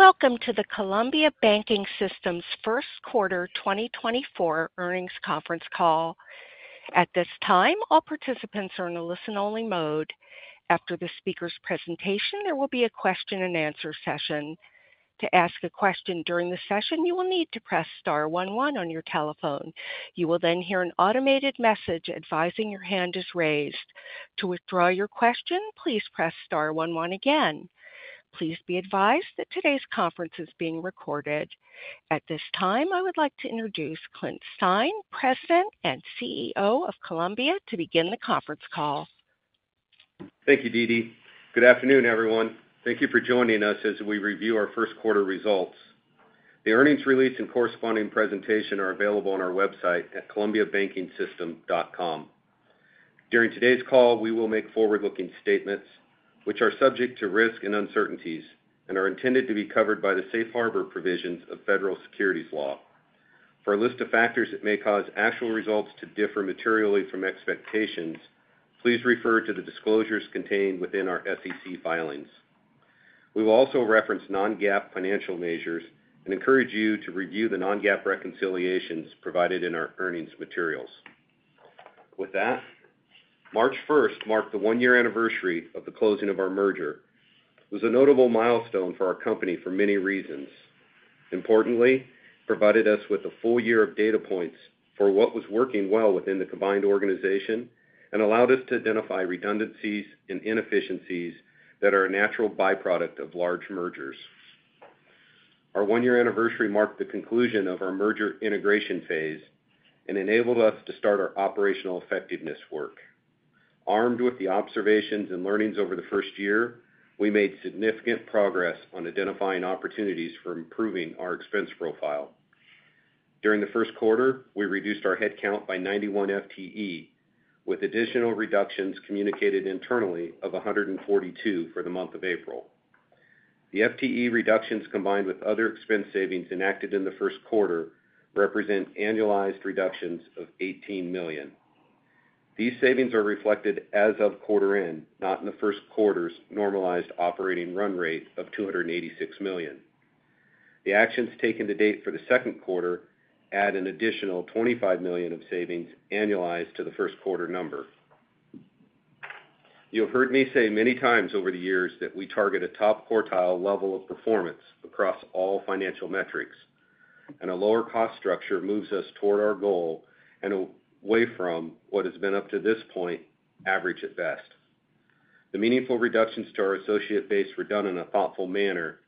Welcome to the Columbia Banking System's First Quarter 2024 Earnings Conference Call. At this time, all participants are in a listen-only mode. After the speaker's presentation, there will be a question-and-answer session. To ask a question during the session, you will need to press star one one on your telephone. You will then hear an automated message advising your hand is raised. To withdraw your question, please press star one one again. Please be advised that today's conference is being recorded. At this time, I would like to introduce Clint Stein, President and CEO of Columbia, to begin the conference call. Thank you, Dee Dee. Good afternoon, everyone. Thank you for joining us as we review our first quarter results. The earnings release and corresponding presentation are available on our website at columbiabankingsystem.com. During today's call, we will make forward-looking statements which are subject to risk and uncertainties and are intended to be covered by the safe harbor provisions of federal securities law. For a list of factors that may cause actual results to differ materially from expectations, please refer to the disclosures contained within our SEC filings. We will also reference non-GAAP financial measures and encourage you to review the non-GAAP reconciliations provided in our earnings materials. With that, March 1st marked the one-year anniversary of the closing of our merger. It was a notable milestone for our company for many reasons. Importantly, it provided us with a full year of data points for what was working well within the combined organization and allowed us to identify redundancies and inefficiencies that are a natural byproduct of large mergers. Our one-year anniversary marked the conclusion of our merger integration phase and enabled us to start our operational effectiveness work. Armed with the observations and learnings over the first year, we made significant progress on identifying opportunities for improving our expense profile. During the first quarter, we reduced our headcount by 91 FTE, with additional reductions communicated internally of 142 for the month of April. The FTE reductions, combined with other expense savings enacted in the first quarter, represent annualized reductions of $18 million. These savings are reflected as of quarter-end, not in the first quarter's normalized operating run rate of $286 million. The actions taken to date for the second quarter add an additional $25 million of savings annualized to the first quarter number. You've heard me say many times over the years that we target a top quartile level of performance across all financial metrics, and a lower cost structure moves us toward our goal and away from what has been up to this point average at best. The meaningful reductions to our associate base were done in a thoughtful manner.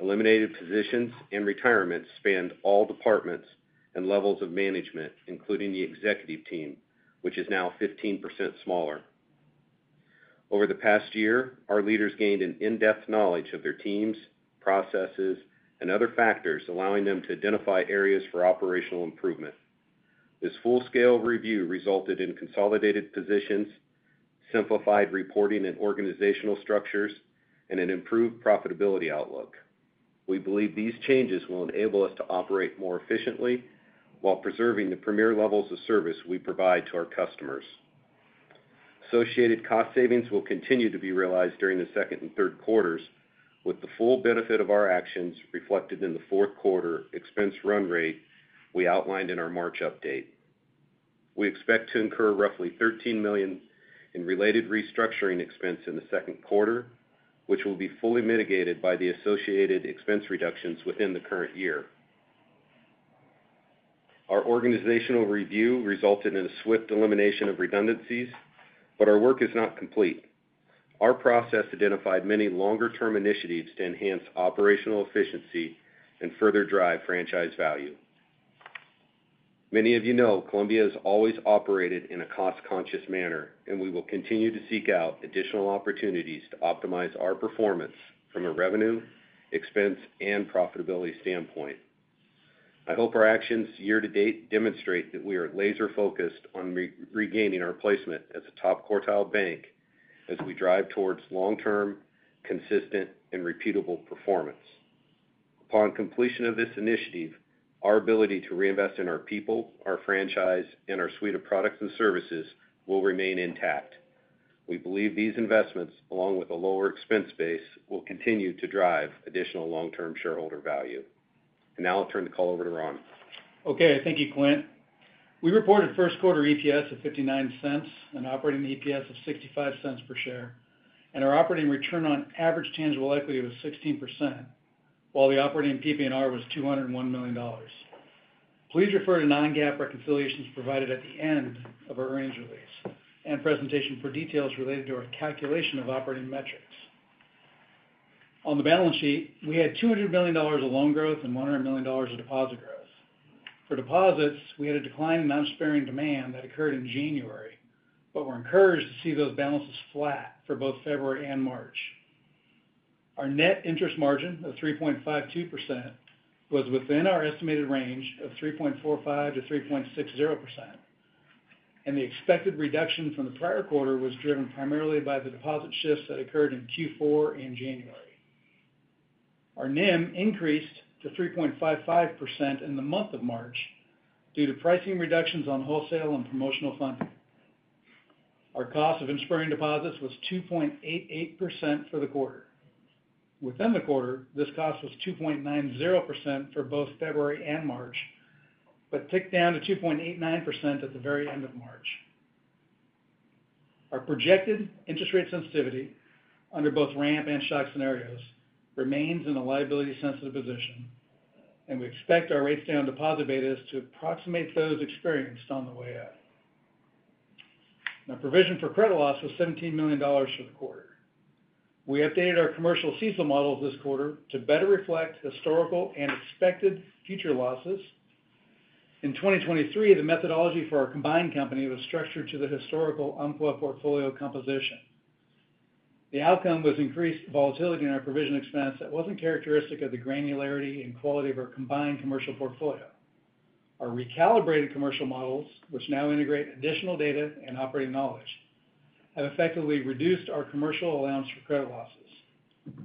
Eliminated positions and retirements spanned all departments and levels of management, including the executive team, which is now 15% smaller. Over the past year, our leaders gained an in-depth knowledge of their teams, processes, and other factors, allowing them to identify areas for operational improvement. This full-scale review resulted in consolidated positions, simplified reporting and organizational structures, and an improved profitability outlook. We believe these changes will enable us to operate more efficiently while preserving the premier levels of service we provide to our customers. Associated cost savings will continue to be realized during the second and third quarters, with the full benefit of our actions reflected in the fourth quarter expense run rate we outlined in our March update. We expect to incur roughly $13 million in related restructuring expense in the second quarter, which will be fully mitigated by the associated expense reductions within the current year. Our organizational review resulted in a swift elimination of redundancies, but our work is not complete. Our process identified many longer-term initiatives to enhance operational efficiency and further drive franchise value. Many of you know Columbia has always operated in a cost-conscious manner, and we will continue to seek out additional opportunities to optimize our performance from a revenue, expense, and profitability standpoint. I hope our actions year to date demonstrate that we are laser-focused on regaining our placement as a top quartile bank as we drive towards long-term, consistent, and repeatable performance. Upon completion of this initiative, our ability to reinvest in our people, our franchise, and our suite of products and services will remain intact. We believe these investments, along with a lower expense base, will continue to drive additional long-term shareholder value. Now I'll turn the call over to Ron. Okay. Thank you, Clint. We reported first quarter EPS of $0.59 and operating EPS of $0.65 per share, and our operating return on average tangible equity was 16%, while the operating PPNR was $201 million. Please refer to non-GAAP reconciliations provided at the end of our earnings release and presentation for details related to our calculation of operating metrics. On the balance sheet, we had $200 million of loan growth and $100 million of deposit growth. For deposits, we had a decline in non-interest-bearing demand that occurred in January, but were encouraged to see those balances flat for both February and March. Our net interest margin of 3.52% was within our estimated range of 3.45% to 3.60%, and the expected reduction from the prior quarter was driven primarily by the deposit shifts that occurred in Q4 in January. Our NIM increased to 3.55% in the month of March due to pricing reductions on wholesale and promotional funding. Our cost of interest-bearing deposits was 2.88% for the quarter. Within the quarter, this cost was 2.90% for both February and March but ticked down to 2.89% at the very end of March. Our projected interest rate sensitivity under both ramp and shock scenarios remains in a liability-sensitive position, and we expect our rates-down deposit beta to approximate those experienced on the way up. Now, provision for credit loss was $17 million for the quarter. We updated our commercial CECL models this quarter to better reflect historical and expected future losses. In 2023, the methodology for our combined company was structured to the historical Umpqua portfolio composition. The outcome was increased volatility in our provision expense that wasn't characteristic of the granularity and quality of our combined commercial portfolio. Our recalibrated commercial models, which now integrate additional data and operating knowledge, have effectively reduced our commercial allowance for credit losses.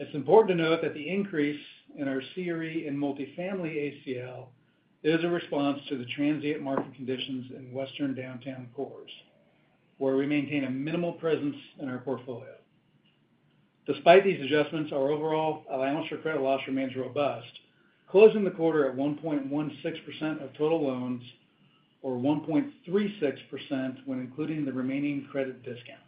It's important to note that the increase in our CRE and multifamily ACL is a response to the transient market conditions in Western downtown cores, where we maintain a minimal presence in our portfolio. Despite these adjustments, our overall allowance for credit losses remains robust, closing the quarter at 1.16% of total loans or 1.36% when including the remaining credit discount.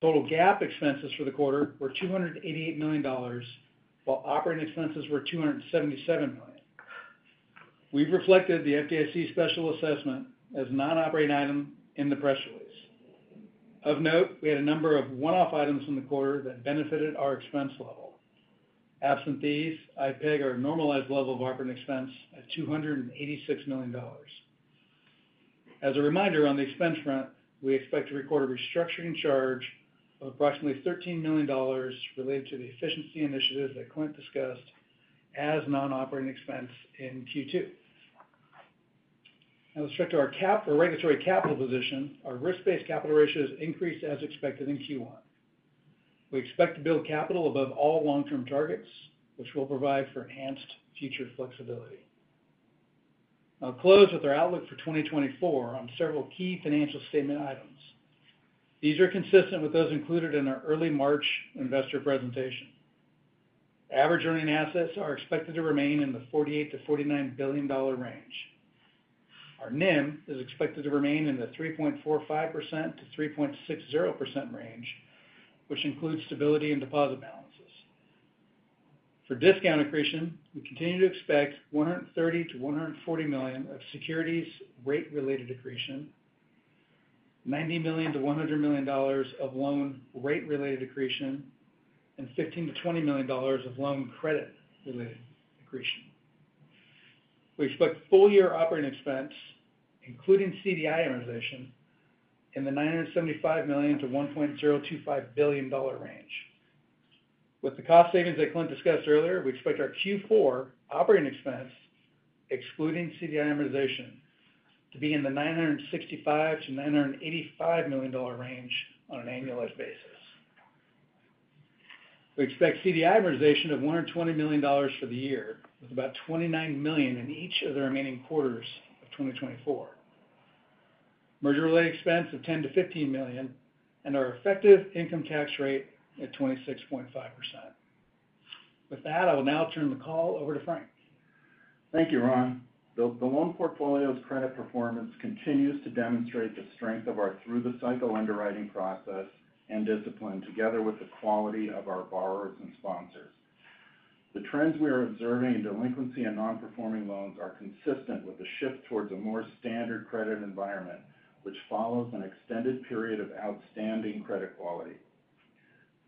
Total GAAP expenses for the quarter were $288 million, while operating expenses were $277 million. We've reflected the FDIC special assessment as non-operating item in the press release. Of note, we had a number of one-off items in the quarter that benefited our expense level. Absent these, I peg our normalized level of operating expense at $286 million. As a reminder, on the expense front, we expect to record a restructuring charge of approximately $13 million related to the efficiency initiatives that Clint discussed as non-operating expense in Q2. Now, with respect to our regulatory capital position, our risk-based capital ratio has increased as expected in Q1. We expect to build capital above all long-term targets, which will provide for enhanced future flexibility. I'll close with our outlook for 2024 on several key financial statement items. These are consistent with those included in our early March investor presentation. Average earning assets are expected to remain in the $48 billion to $49 billion range. Our NIM is expected to remain in the 3.45% to 3.60% range, which includes stability in deposit balances. For discount accretion, we continue to expect $130 million to $140 million of securities rate-related accretion, $90million to $100 million of loan rate-related accretion, and $15 million to $20 million of loan credit-related accretion. We expect full-year operating expense, including CDI amortization, in the $975 million-$1.025 billion range. With the cost savings that Clint discussed earlier, we expect our Q4 operating expense, excluding CDI amortization, to be in the $965 million to $985 million range on an annualized basis. We expect CDI amortization of $120 million for the year, with about $29 million in each of the remaining quarters of 2024, merger-related expense of $10 million to $15 million, and our effective income tax rate at 26.5%. With that, I will now turn the call over to Frank. Thank you, Ron. The loan portfolio's credit performance continues to demonstrate the strength of our through-the-cycle underwriting process and discipline, together with the quality of our borrowers and sponsors. The trends we are observing in delinquency and non-performing loans are consistent with the shift towards a more standard credit environment, which follows an extended period of outstanding credit quality.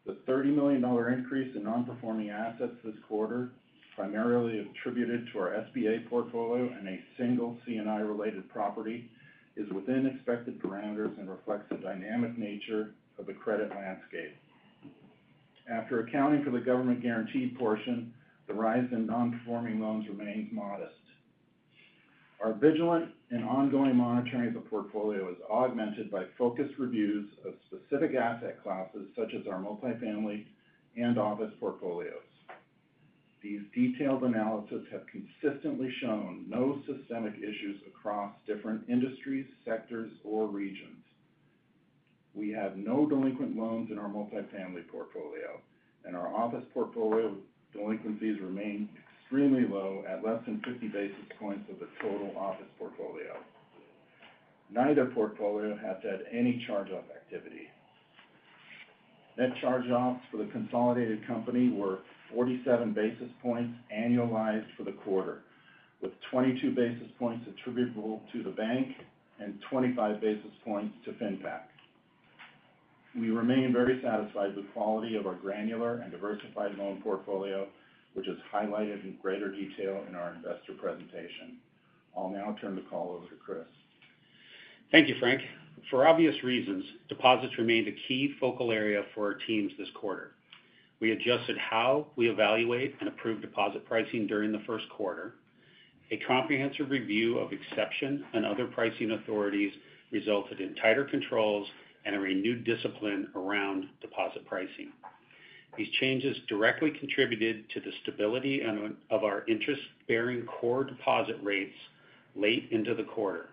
The $30 million increase in non-performing assets this quarter, primarily attributed to our SBA portfolio and a single C&I-related property, is within expected parameters and reflects the dynamic nature of the credit landscape. After accounting for the government-guaranteed portion, the rise in non-performing loans remains modest. Our vigilant and ongoing monitoring of the portfolio is augmented by focused reviews of specific asset classes such as our multifamily and office portfolios. These detailed analyses have consistently shown no systemic issues across different industries, sectors, or regions. We have no delinquent loans in our multifamily portfolio, and our office portfolio delinquencies remain extremely low at less than 50 basis points of the total office portfolio. Neither portfolio has had any charge-off activity. Net charge-offs for the consolidated company were 47 basis points annualized for the quarter, with 22 basis points attributable to the bank and 25 basis points to FinPac. We remain very satisfied with the quality of our granular and diversified loan portfolio, which is highlighted in greater detail in our investor presentation. I'll now turn the call over to Chris. Thank you, Frank. For obvious reasons, deposits remained a key focal area for our teams this quarter. We adjusted how we evaluate and approve deposit pricing during the first quarter. A comprehensive review of exception and other pricing authorities resulted in tighter controls and a renewed discipline around deposit pricing. These changes directly contributed to the stability of our interest-bearing core deposit rates late into the quarter.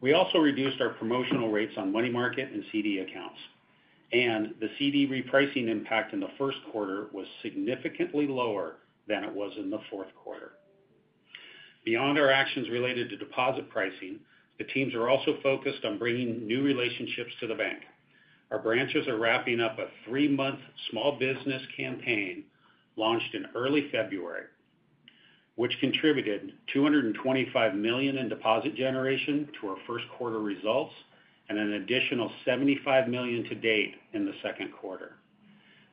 We also reduced our promotional rates on money market and CD accounts, and the CD repricing impact in the first quarter was significantly lower than it was in the fourth quarter. Beyond our actions related to deposit pricing, the teams are also focused on bringing new relationships to the bank. Our branches are wrapping up a three-month small business campaign launched in early February, which contributed $225 million in deposit generation to our first quarter results and an additional $75 million to date in the second quarter.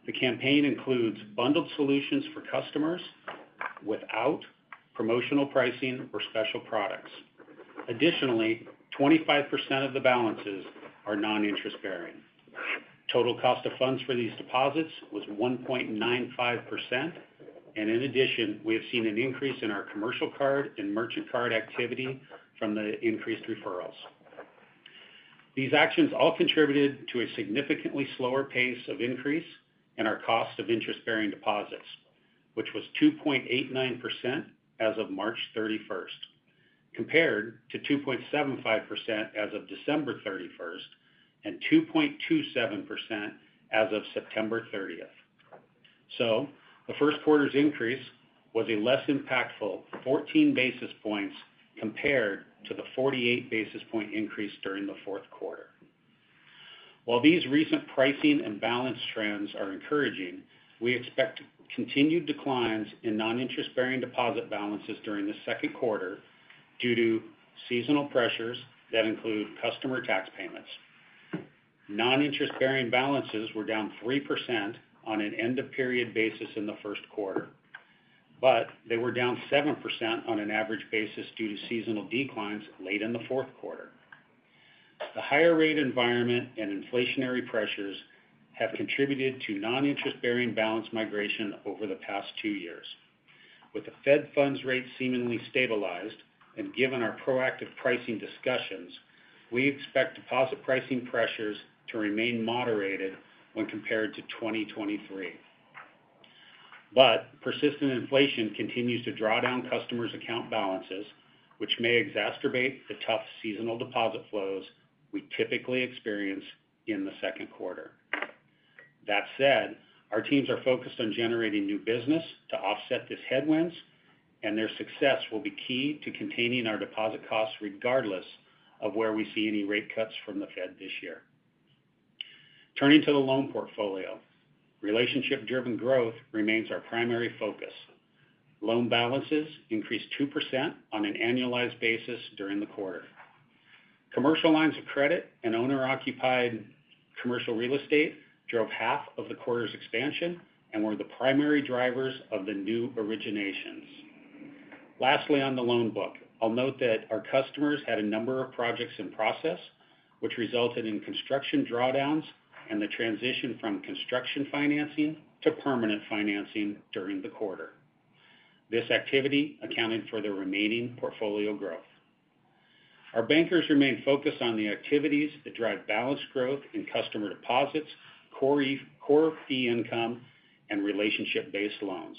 The campaign includes bundled solutions for customers without promotional pricing or special products. Additionally, 25% of the balances are non-interest-bearing. Total cost of funds for these deposits was 1.95%, and in addition, we have seen an increase in our commercial card and merchant card activity from the increased referrals. These actions all contributed to a significantly slower pace of increase in our cost of interest-bearing deposits, which was 2.89% as of March 31st, compared to 2.75% as of December 31st and 2.27% as of September 30th. So the first quarter's increase was a less impactful 14 basis points compared to the 48 basis point increase during the fourth quarter. While these recent pricing and balance trends are encouraging, we expect continued declines in non-interest-bearing deposit balances during the second quarter due to seasonal pressures that include customer tax payments. Non-interest-bearing balances were down 3% on an end-of-period basis in the first quarter, but they were down 7% on an average basis due to seasonal declines late in the fourth quarter. The higher rate environment and inflationary pressures have contributed to non-interest-bearing balance migration over the past two years. With the Fed funds rate seemingly stabilized and given our proactive pricing discussions, we expect deposit pricing pressures to remain moderated when compared to 2023. But persistent inflation continues to draw down customers' account balances, which may exacerbate the tough seasonal deposit flows we typically experience in the second quarter. That said, our teams are focused on generating new business to offset these headwinds, and their success will be key to containing our deposit costs regardless of where we see any rate cuts from the Fed this year. Turning to the loan portfolio, relationship-driven growth remains our primary focus. Loan balances increased 2% on an annualized basis during the quarter. Commercial lines of credit and owner-occupied commercial real estate drove half of the quarter's expansion and were the primary drivers of the new originations. Lastly, on the loan book, I'll note that our customers had a number of projects in process, which resulted in construction drawdowns and the transition from construction financing to permanent financing during the quarter. This activity accounted for the remaining portfolio growth. Our bankers remain focused on the activities that drive balanced growth in customer deposits, core fee income, and relationship-based loans.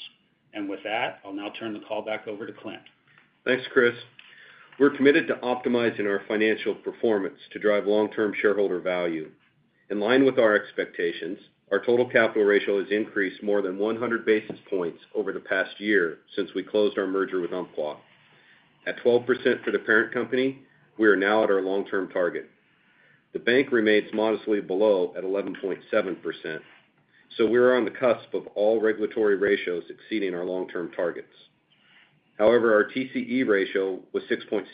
With that, I'll now turn the call back over to Clint. Thanks, Chris. We're committed to optimizing our financial performance to drive long-term shareholder value. In line with our expectations, our total capital ratio has increased more than 100 basis points over the past year since we closed our merger with Umpqua. At 12% for the parent company, we are now at our long-term target. The bank remains modestly below at 11.7%, so we are on the cusp of all regulatory ratios exceeding our long-term targets. However, our TCE ratio was 6.6%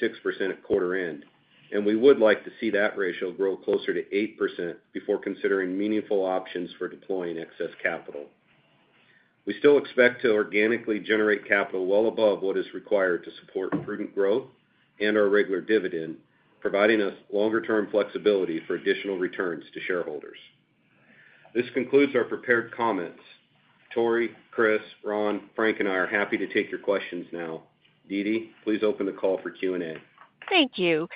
at quarter end, and we would like to see that ratio grow closer to 8% before considering meaningful options for deploying excess capital. We still expect to organically generate capital well above what is required to support prudent growth and our regular dividend, providing us longer-term flexibility for additional returns to shareholders. This concludes our prepared comments. Tory, Chris, Ron, Frank, and I are happy to take your questions now. Dee Dee, please open the call for Q&A. Thank you.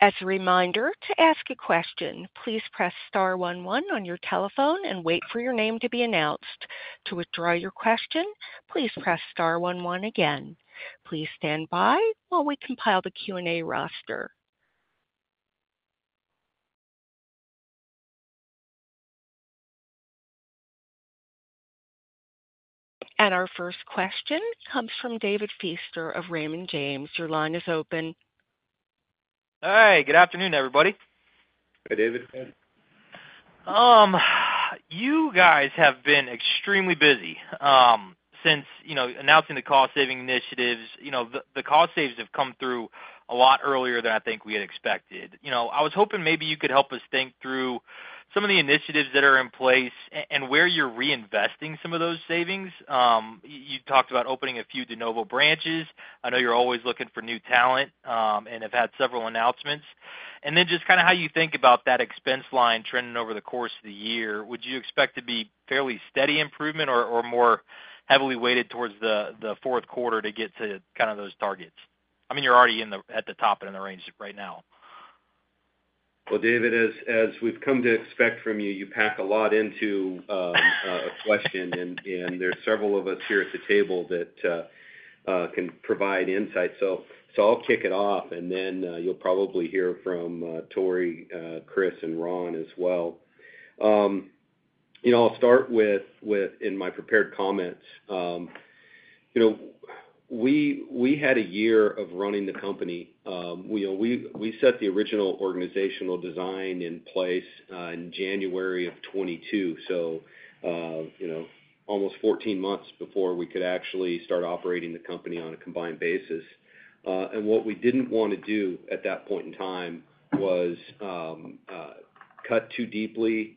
As a reminder, to ask a question, please press star one one on your telephone and wait for your name to be announced. To withdraw your question, please press star one one again. Please stand by while we compile the Q&A roster. Our first question comes from David Feaster of Raymond James. Your line is open. Hi. Good afternoon, everybody. Hi, David. You guys have been extremely busy since announcing the cost-saving initiatives. The cost savings have come through a lot earlier than I think we had expected. I was hoping maybe you could help us think through some of the initiatives that are in place and where you're reinvesting some of those savings. You talked about opening a few de novo branches. I know you're always looking for new talent and have had several announcements. And then just kind of how you think about that expense line trending over the course of the year, would you expect to be fairly steady improvement or more heavily weighted towards the fourth quarter to get to kind of those targets? I mean, you're already at the top and in the range right now. Well, David, as we've come to expect from you, you pack a lot into a question, and there's several of us here at the table that can provide insight. So I'll kick it off, and then you'll probably hear from Tory, Chris, and Ron as well. I'll start with, in my prepared comments, we had a year of running the company. We set the original organizational design in place in January of 2022, so almost 14 months before we could actually start operating the company on a combined basis. And what we didn't want to do at that point in time was cut too deeply,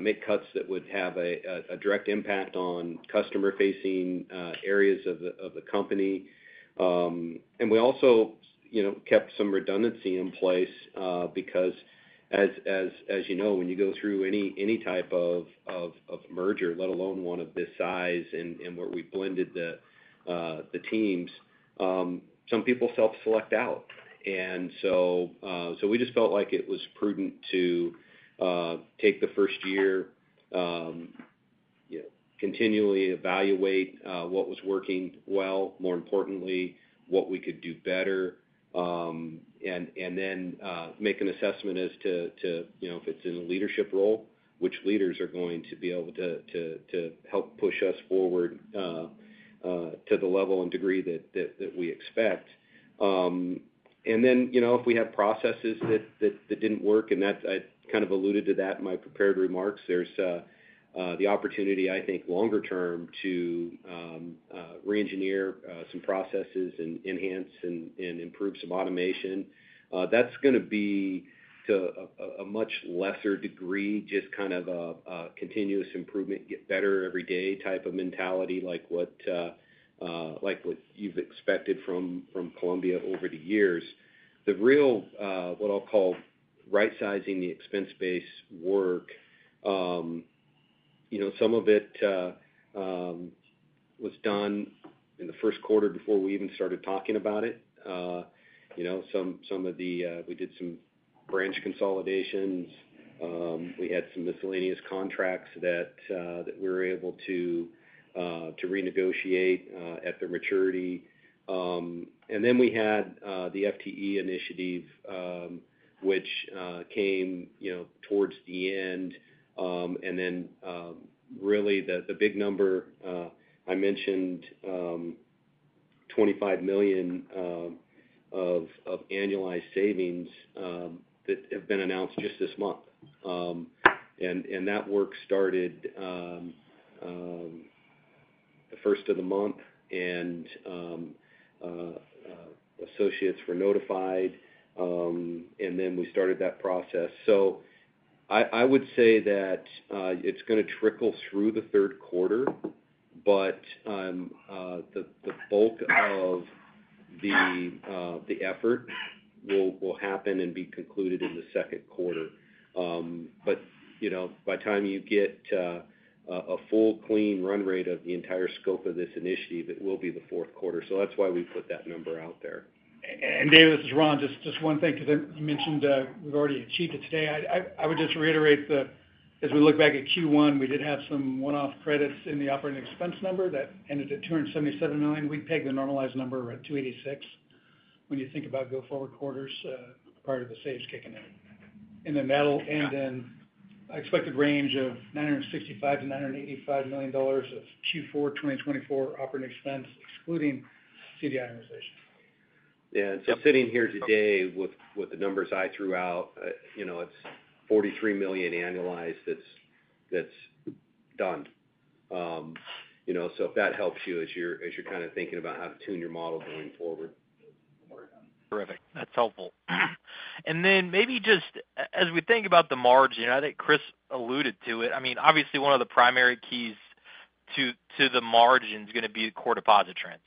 make cuts that would have a direct impact on customer-facing areas of the company. And we also kept some redundancy in place because, as you know, when you go through any type of merger, let alone one of this size and where we blended the teams, some people self-select out. And so we just felt like it was prudent to take the first year, continually evaluate what was working well, more importantly, what we could do better, and then make an assessment as to if it's in a leadership role, which leaders are going to be able to help push us forward to the level and degree that we expect. And then if we have processes that didn't work, and I kind of alluded to that in my prepared remarks, there's the opportunity, I think, longer-term to reengineer some processes and enhance and improve some automation. That's going to be, to a much lesser degree, just kind of a continuous improvement, get better every day type of mentality like what you've expected from Columbia over the years. The real, what I'll call, right-sizing the expense base work, some of it was done in the first quarter before we even started talking about it. Some of the we did some branch consolidations. We had some miscellaneous contracts that we were able to renegotiate at the maturity. And then we had the FTE initiative, which came towards the end. And then really, the big number I mentioned, $25 million of annualized savings that have been announced just this month. And that work started the first of the month, and associates were notified, and then we started that process. So I would say that it's going to trickle through the third quarter, but the bulk of the effort will happen and be concluded in the second quarter. But by the time you get a full, clean run rate of the entire scope of this initiative, it will be the fourth quarter. So that's why we put that number out there. David, this is Ron. Just one thing because you mentioned we've already achieved it today. I would just reiterate, as we look back at Q1, we did have some one-off credits in the operating expense number that ended at $277 million. We pegged the normalized number at $286 million when you think about go-forward quarters prior to the synergies kicking in. Then that'll end in an expected range of $965 million-$985 million of Q4 2024 operating expense, excluding CDI amortization. Yeah. And so sitting here today with the numbers I threw out, it's $43 million annualized that's done. So if that helps you as you're kind of thinking about how to tune your model going forward. Terrific. That's helpful. And then maybe just as we think about the margin, I think Chris alluded to it. I mean, obviously, one of the primary keys to the margin is going to be the core deposit trends.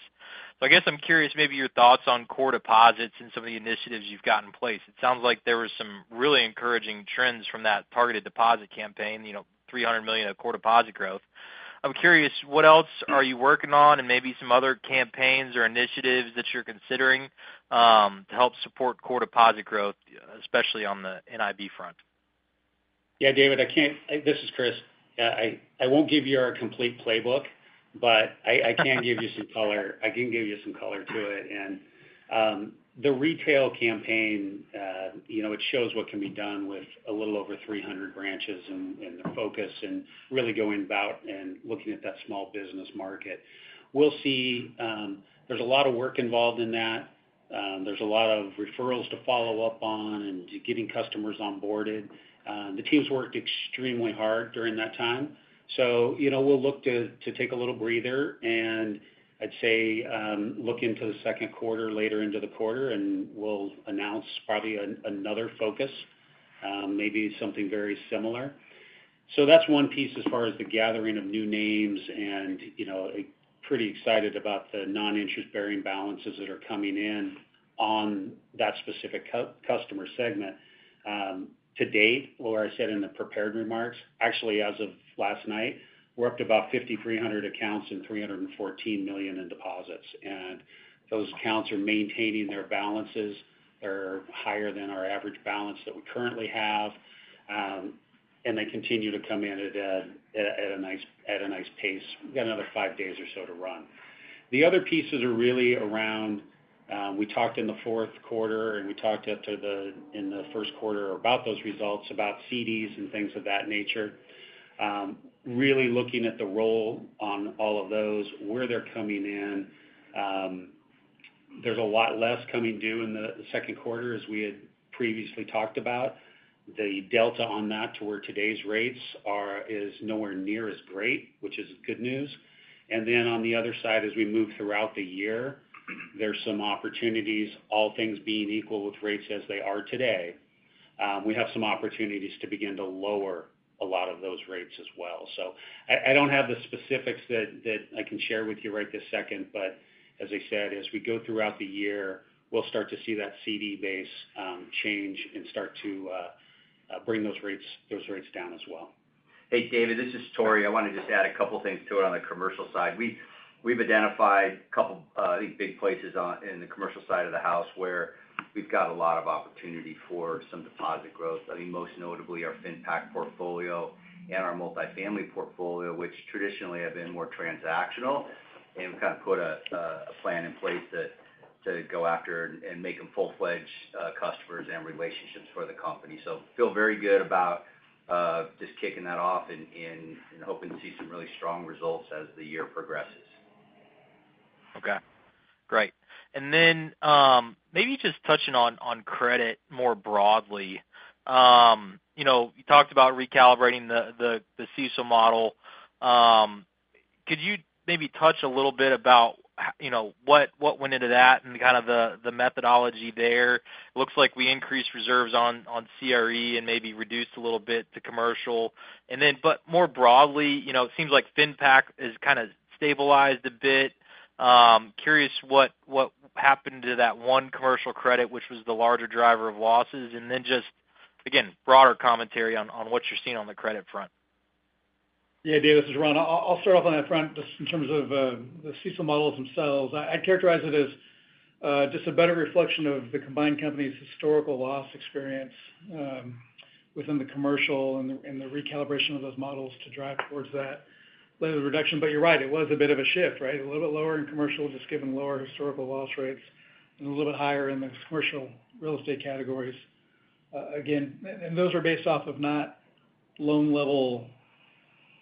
So I guess I'm curious maybe your thoughts on core deposits and some of the initiatives you've got in place. It sounds like there were some really encouraging trends from that targeted deposit campaign, $300 million of core deposit growth. I'm curious, what else are you working on and maybe some other campaigns or initiatives that you're considering to help support core deposit growth, especially on the NIB front? Yeah, David. This is Chris. I won't give you our complete playbook, but I can give you some color. I can give you some color to it. And the retail campaign, it shows what can be done with a little over 300 branches and the focus and really going about and looking at that small business market. We'll see. There's a lot of work involved in that. There's a lot of referrals to follow up on and getting customers onboarded. The team's worked extremely hard during that time. So we'll look to take a little breather and, I'd say, look into the second quarter, later into the quarter, and we'll announce probably another focus, maybe something very similar. So that's one piece as far as the gathering of new names, and pretty excited about the non-interest-bearing balances that are coming in on that specific customer segment. To date, or I said in the prepared remarks, actually, as of last night, we're up to about 5,300 accounts and $314 million in deposits. And those accounts are maintaining their balances. They're higher than our average balance that we currently have, and they continue to come in at a nice pace. We've got another five days or so to run. The other pieces are really around we talked in the fourth quarter, and we talked in the first quarter about those results, about CDs and things of that nature. Really looking at the rollover on all of those, where they're coming in, there's a lot less coming due in the second quarter, as we had previously talked about. The delta on that to where today's rates is nowhere near as great, which is good news. And then on the other side, as we move throughout the year, there's some opportunities, all things being equal with rates as they are today, we have some opportunities to begin to lower a lot of those rates as well. So I don't have the specifics that I can share with you right this second, but as I said, as we go throughout the year, we'll start to see that CD base change and start to bring those rates down as well. Hey, David. This is Tory. I want to just add a couple of things to it on the commercial side. We've identified a couple of, I think, big places in the commercial side of the house where we've got a lot of opportunity for some deposit growth. I think most notably our FinPac portfolio and our multifamily portfolio, which traditionally have been more transactional, and we've kind of put a plan in place to go after and make them full-fledged customers and relationships for the company. So feel very good about just kicking that off and hoping to see some really strong results as the year progresses. Okay. Great. And then maybe just touching on credit more broadly, you talked about recalibrating the CECL model. Could you maybe touch a little bit about what went into that and kind of the methodology there? It looks like we increased reserves on CRE and maybe reduced a little bit to commercial. But more broadly, it seems like FinPac has kind of stabilized a bit. Curious what happened to that one commercial credit, which was the larger driver of losses, and then just, again, broader commentary on what you're seeing on the credit front. Yeah, David. This is Ron. I'll start off on that front just in terms of the CECL models themselves. I'd characterize it as just a better reflection of the combined company's historical loss experience within the commercial and the recalibration of those models to drive towards that level of reduction. But you're right, it was a bit of a shift, right? A little bit lower in commercial, just given lower historical loss rates, and a little bit higher in the commercial real estate categories. Again, and those are based off of not loan-level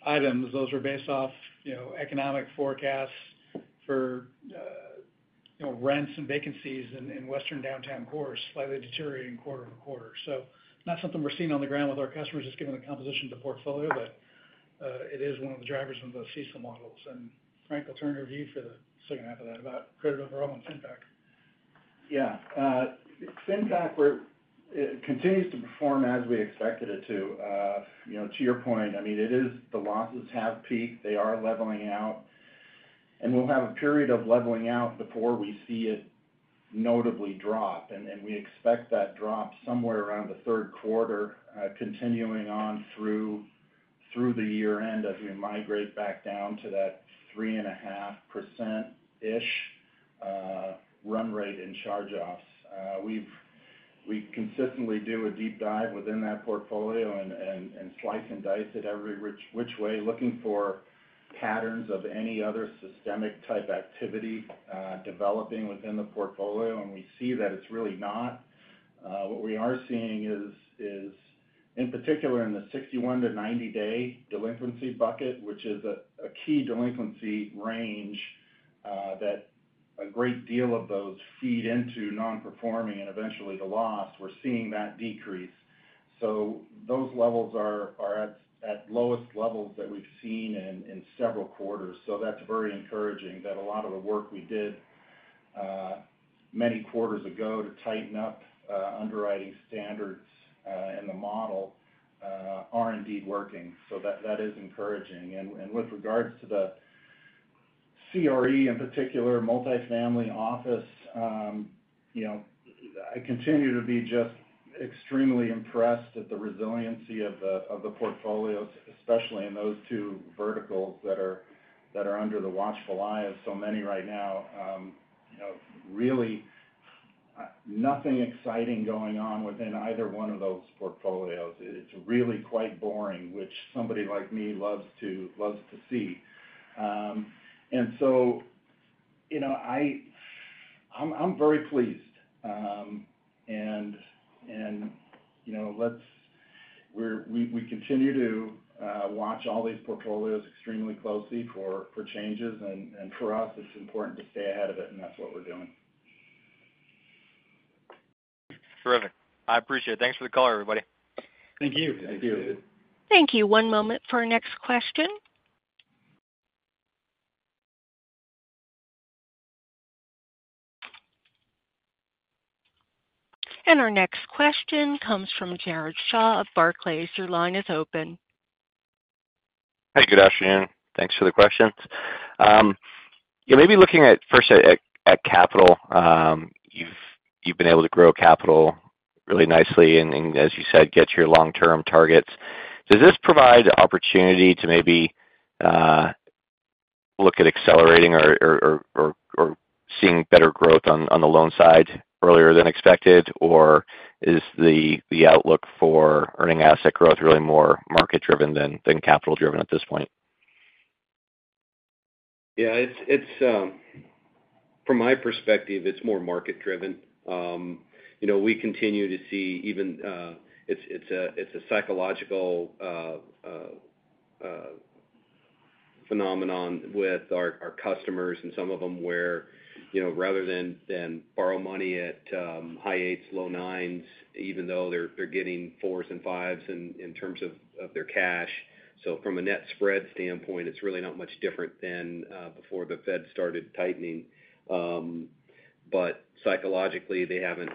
items. Those are based off economic forecasts for rents and vacancies in Western downtown cores, slightly deteriorating quarter-over-quarter. So not something we're seeing on the ground with our customers, just given the composition of the portfolio, but it is one of the drivers in the CECL models. Frank, I'll turn to you for the second half of that about credit overall on FinPac. Yeah. FinPac continues to perform as we expected it to. To your point, I mean, the losses have peaked. They are leveling out. We'll have a period of leveling out before we see it notably drop. We expect that drop somewhere around the third quarter, continuing on through the year-end as we migrate back down to that 3.5%-ish run rate in charge-offs. We consistently do a deep dive within that portfolio and slice and dice it every which way, looking for patterns of any other systemic type activity developing within the portfolio. We see that it's really not. What we are seeing is, in particular, in the 61-90-day delinquency bucket, which is a key delinquency range that a great deal of those feed into non-performing and eventually the loss, we're seeing that decrease. So those levels are at lowest levels that we've seen in several quarters. So that's very encouraging that a lot of the work we did many quarters ago to tighten up underwriting standards in the model are indeed working. So that is encouraging. And with regards to the CRE in particular, multifamily office, I continue to be just extremely impressed at the resiliency of the portfolios, especially in those two verticals that are under the watchful eye of so many right now. Really, nothing exciting going on within either one of those portfolios. It's really quite boring, which somebody like me loves to see. And so I'm very pleased. And we continue to watch all these portfolios extremely closely for changes. And for us, it's important to stay ahead of it, and that's what we're doing. Terrific. I appreciate it. Thanks for the call, everybody. Thank you. Thank you. Thank you. One moment for our next question. Our next question comes from Jared Shaw of Barclays. Your line is open. Hey, good afternoon. Thanks for the questions. Maybe looking first at capital, you've been able to grow capital really nicely and, as you said, get to your long-term targets. Does this provide opportunity to maybe look at accelerating or seeing better growth on the loan side earlier than expected? Or is the outlook for earning asset growth really more market-driven than capital-driven at this point? Yeah. From my perspective, it's more market-driven. We continue to see even it's a psychological phenomenon with our customers, and some of them were rather than borrow money at high 8s, low 9s, even though they're getting 4s and 5s in terms of their cash. So from a net spread standpoint, it's really not much different than before the Fed started tightening. But psychologically, they haven't,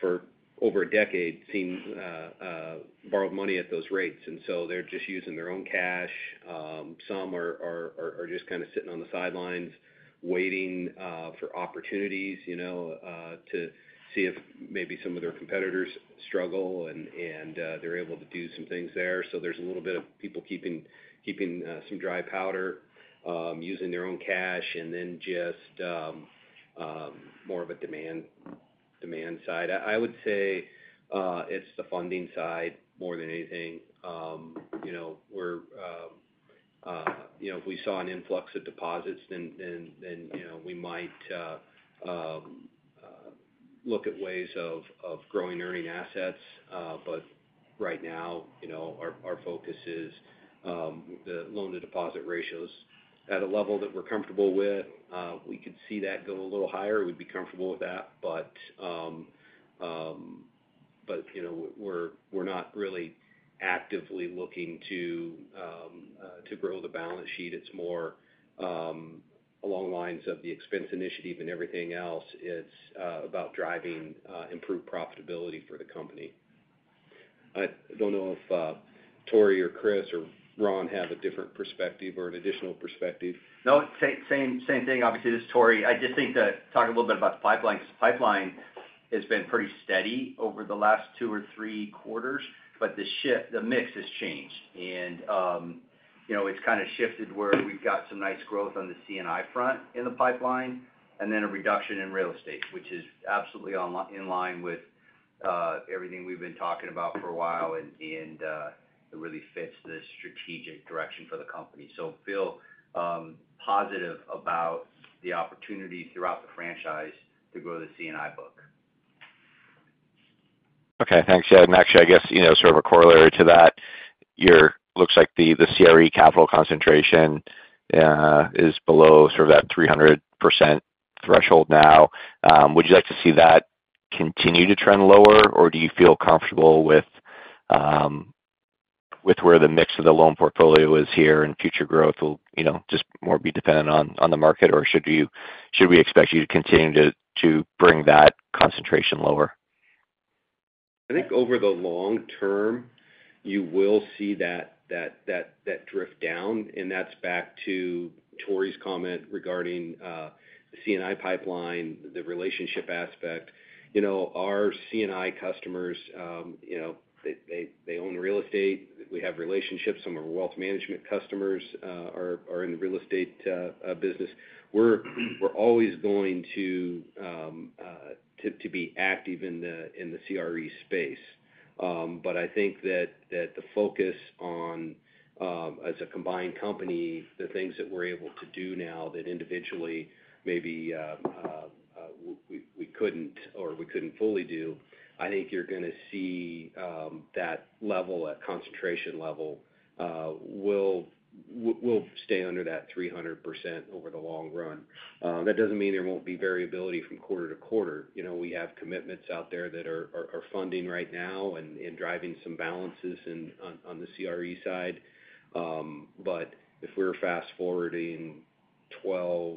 for over a decade, borrowed money at those rates. And so they're just using their own cash. Some are just kind of sitting on the sidelines, waiting for opportunities to see if maybe some of their competitors struggle, and they're able to do some things there. So there's a little bit of people keeping some dry powder, using their own cash, and then just more of a demand side. I would say it's the funding side more than anything. If we saw an influx of deposits, then we might look at ways of growing earning assets. But right now, our focus is the loan-to-deposit ratios at a level that we're comfortable with. We could see that go a little higher. We'd be comfortable with that. But we're not really actively looking to grow the balance sheet. It's more along the lines of the expense initiative and everything else. It's about driving improved profitability for the company. I don't know if Tory or Chris or Ron have a different perspective or an additional perspective. No, same thing. Obviously, this is Tory. I just think to talk a little bit about the pipeline, because the pipeline has been pretty steady over the last 2 or 3 quarters, but the mix has changed. And it's kind of shifted where we've got some nice growth on the C&I front in the pipeline and then a reduction in real estate, which is absolutely in line with everything we've been talking about for a while and really fits the strategic direction for the company. So feel positive about the opportunity throughout the franchise to grow the C&I book. Okay. Thanks, Ed. And actually, I guess sort of a corollary to that, it looks like the CRE capital concentration is below sort of that 300% threshold now. Would you like to see that continue to trend lower, or do you feel comfortable with where the mix of the loan portfolio is here and future growth will just more be dependent on the market? Or should we expect you to continue to bring that concentration lower? I think over the long term, you will see that drift down. And that's back to Tory's comment regarding the C&I pipeline, the relationship aspect. Our C&I customers, they own real estate. We have relationships. Some of our wealth management customers are in the real estate business. We're always going to be active in the CRE space. But I think that the focus on, as a combined company, the things that we're able to do now that individually maybe we couldn't or we couldn't fully do, I think you're going to see that level, that concentration level will stay under that 300% over the long run. That doesn't mean there won't be variability from quarter to quarter. We have commitments out there that are funding right now and driving some balances on the CRE side. But if we're fast-forwarding 12,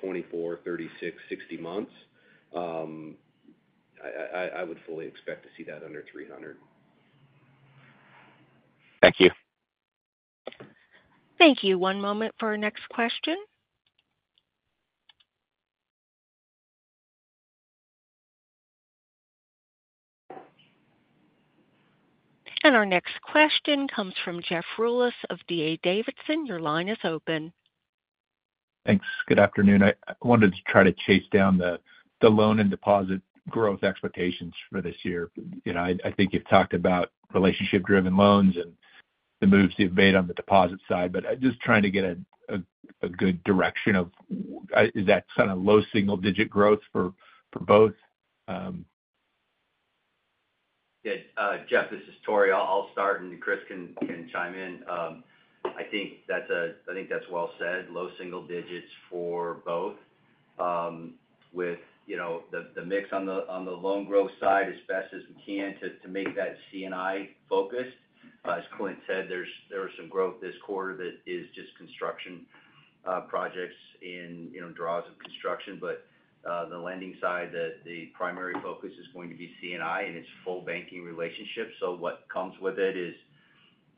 24, 36, 60 months, I would fully expect to see that under 300. Thank you. Thank you. One moment for our next question. Our next question comes from Jeff Rulis of D.A. Davidson. Your line is open. Thanks. Good afternoon. I wanted to try to chase down the loan and deposit growth expectations for this year. I think you've talked about relationship-driven loans and the moves you've made on the deposit side, but just trying to get a good direction of is that kind of low-single-digit growth for both? Good. Jeff, this is Tory. I'll start, and Chris can chime in. I think that's well said, low-single digits for both. With the mix on the loan growth side, as best as we can to make that C&I focused. As Clint said, there was some growth this quarter that is just construction projects and draws of construction. But the lending side, the primary focus is going to be C&I, and it's full banking relationship. So what comes with it is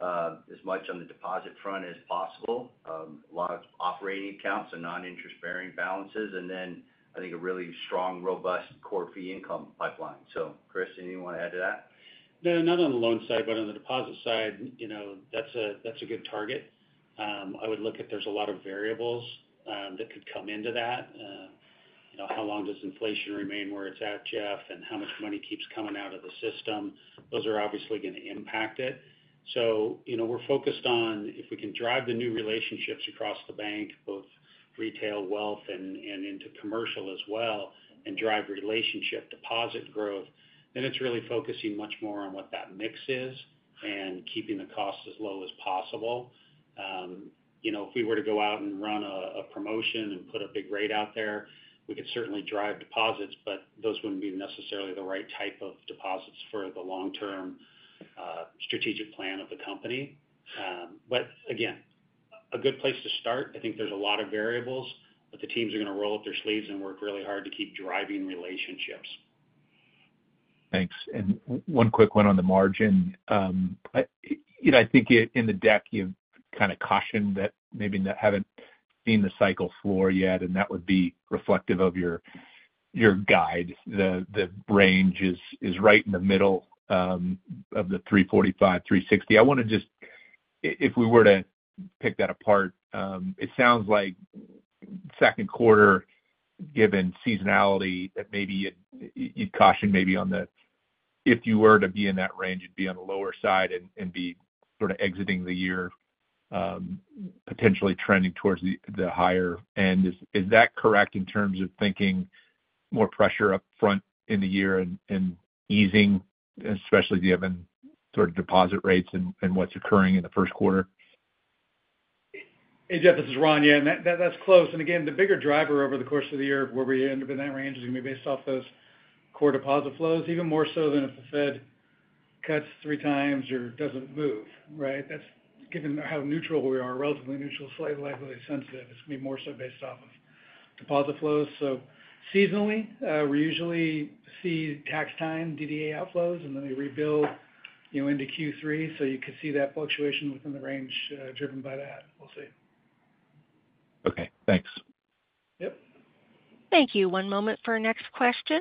as much on the deposit front as possible, a lot of operating accounts, so non-interest-bearing balances, and then I think a really strong, robust core fee income pipeline. So Chris, anything you want to add to that? No, not on the loan side, but on the deposit side, that's a good target. I would look at there's a lot of variables that could come into that. How long does inflation remain where it's at, Jeff, and how much money keeps coming out of the system? Those are obviously going to impact it. So we're focused on if we can drive the new relationships across the bank, both retail, wealth, and into commercial as well, and drive relationship deposit growth, then it's really focusing much more on what that mix is and keeping the costs as low as possible. If we were to go out and run a promotion and put a big rate out there, we could certainly drive deposits, but those wouldn't be necessarily the right type of deposits for the long-term strategic plan of the company. But again, a good place to start. I think there's a lot of variables, but the teams are going to roll up their sleeves and work really hard to keep driving relationships. Thanks. And one quick one on the margin. I think in the deck, you've kind of cautioned that maybe haven't seen the cycle floor yet, and that would be reflective of your guide. The range is right in the middle of the 3.45% to 3.60%. I want to just if we were to pick that apart, it sounds like second quarter, given seasonality, that maybe you'd caution maybe on the if you were to be in that range, you'd be on the lower side and be sort of exiting the year, potentially trending towards the higher end. Is that correct in terms of thinking more pressure upfront in the year and easing, especially given sort of deposit rates and what's occurring in the first quarter? Hey, Jeff. This is Ron again. That's close. And again, the bigger driver over the course of the year of where we end up in that range is going to be based off those core deposit flows, even more so than if the Fed cuts three times or doesn't move, right? Given how neutral we are, relatively neutral, slightly likely sensitive, it's going to be more so based off of deposit flows. So seasonally, we usually see tax time, DDA outflows, and then they rebuild into Q3. So you could see that fluctuation within the range driven by that. We'll see. Okay. Thanks. Thank you. One moment for our next question.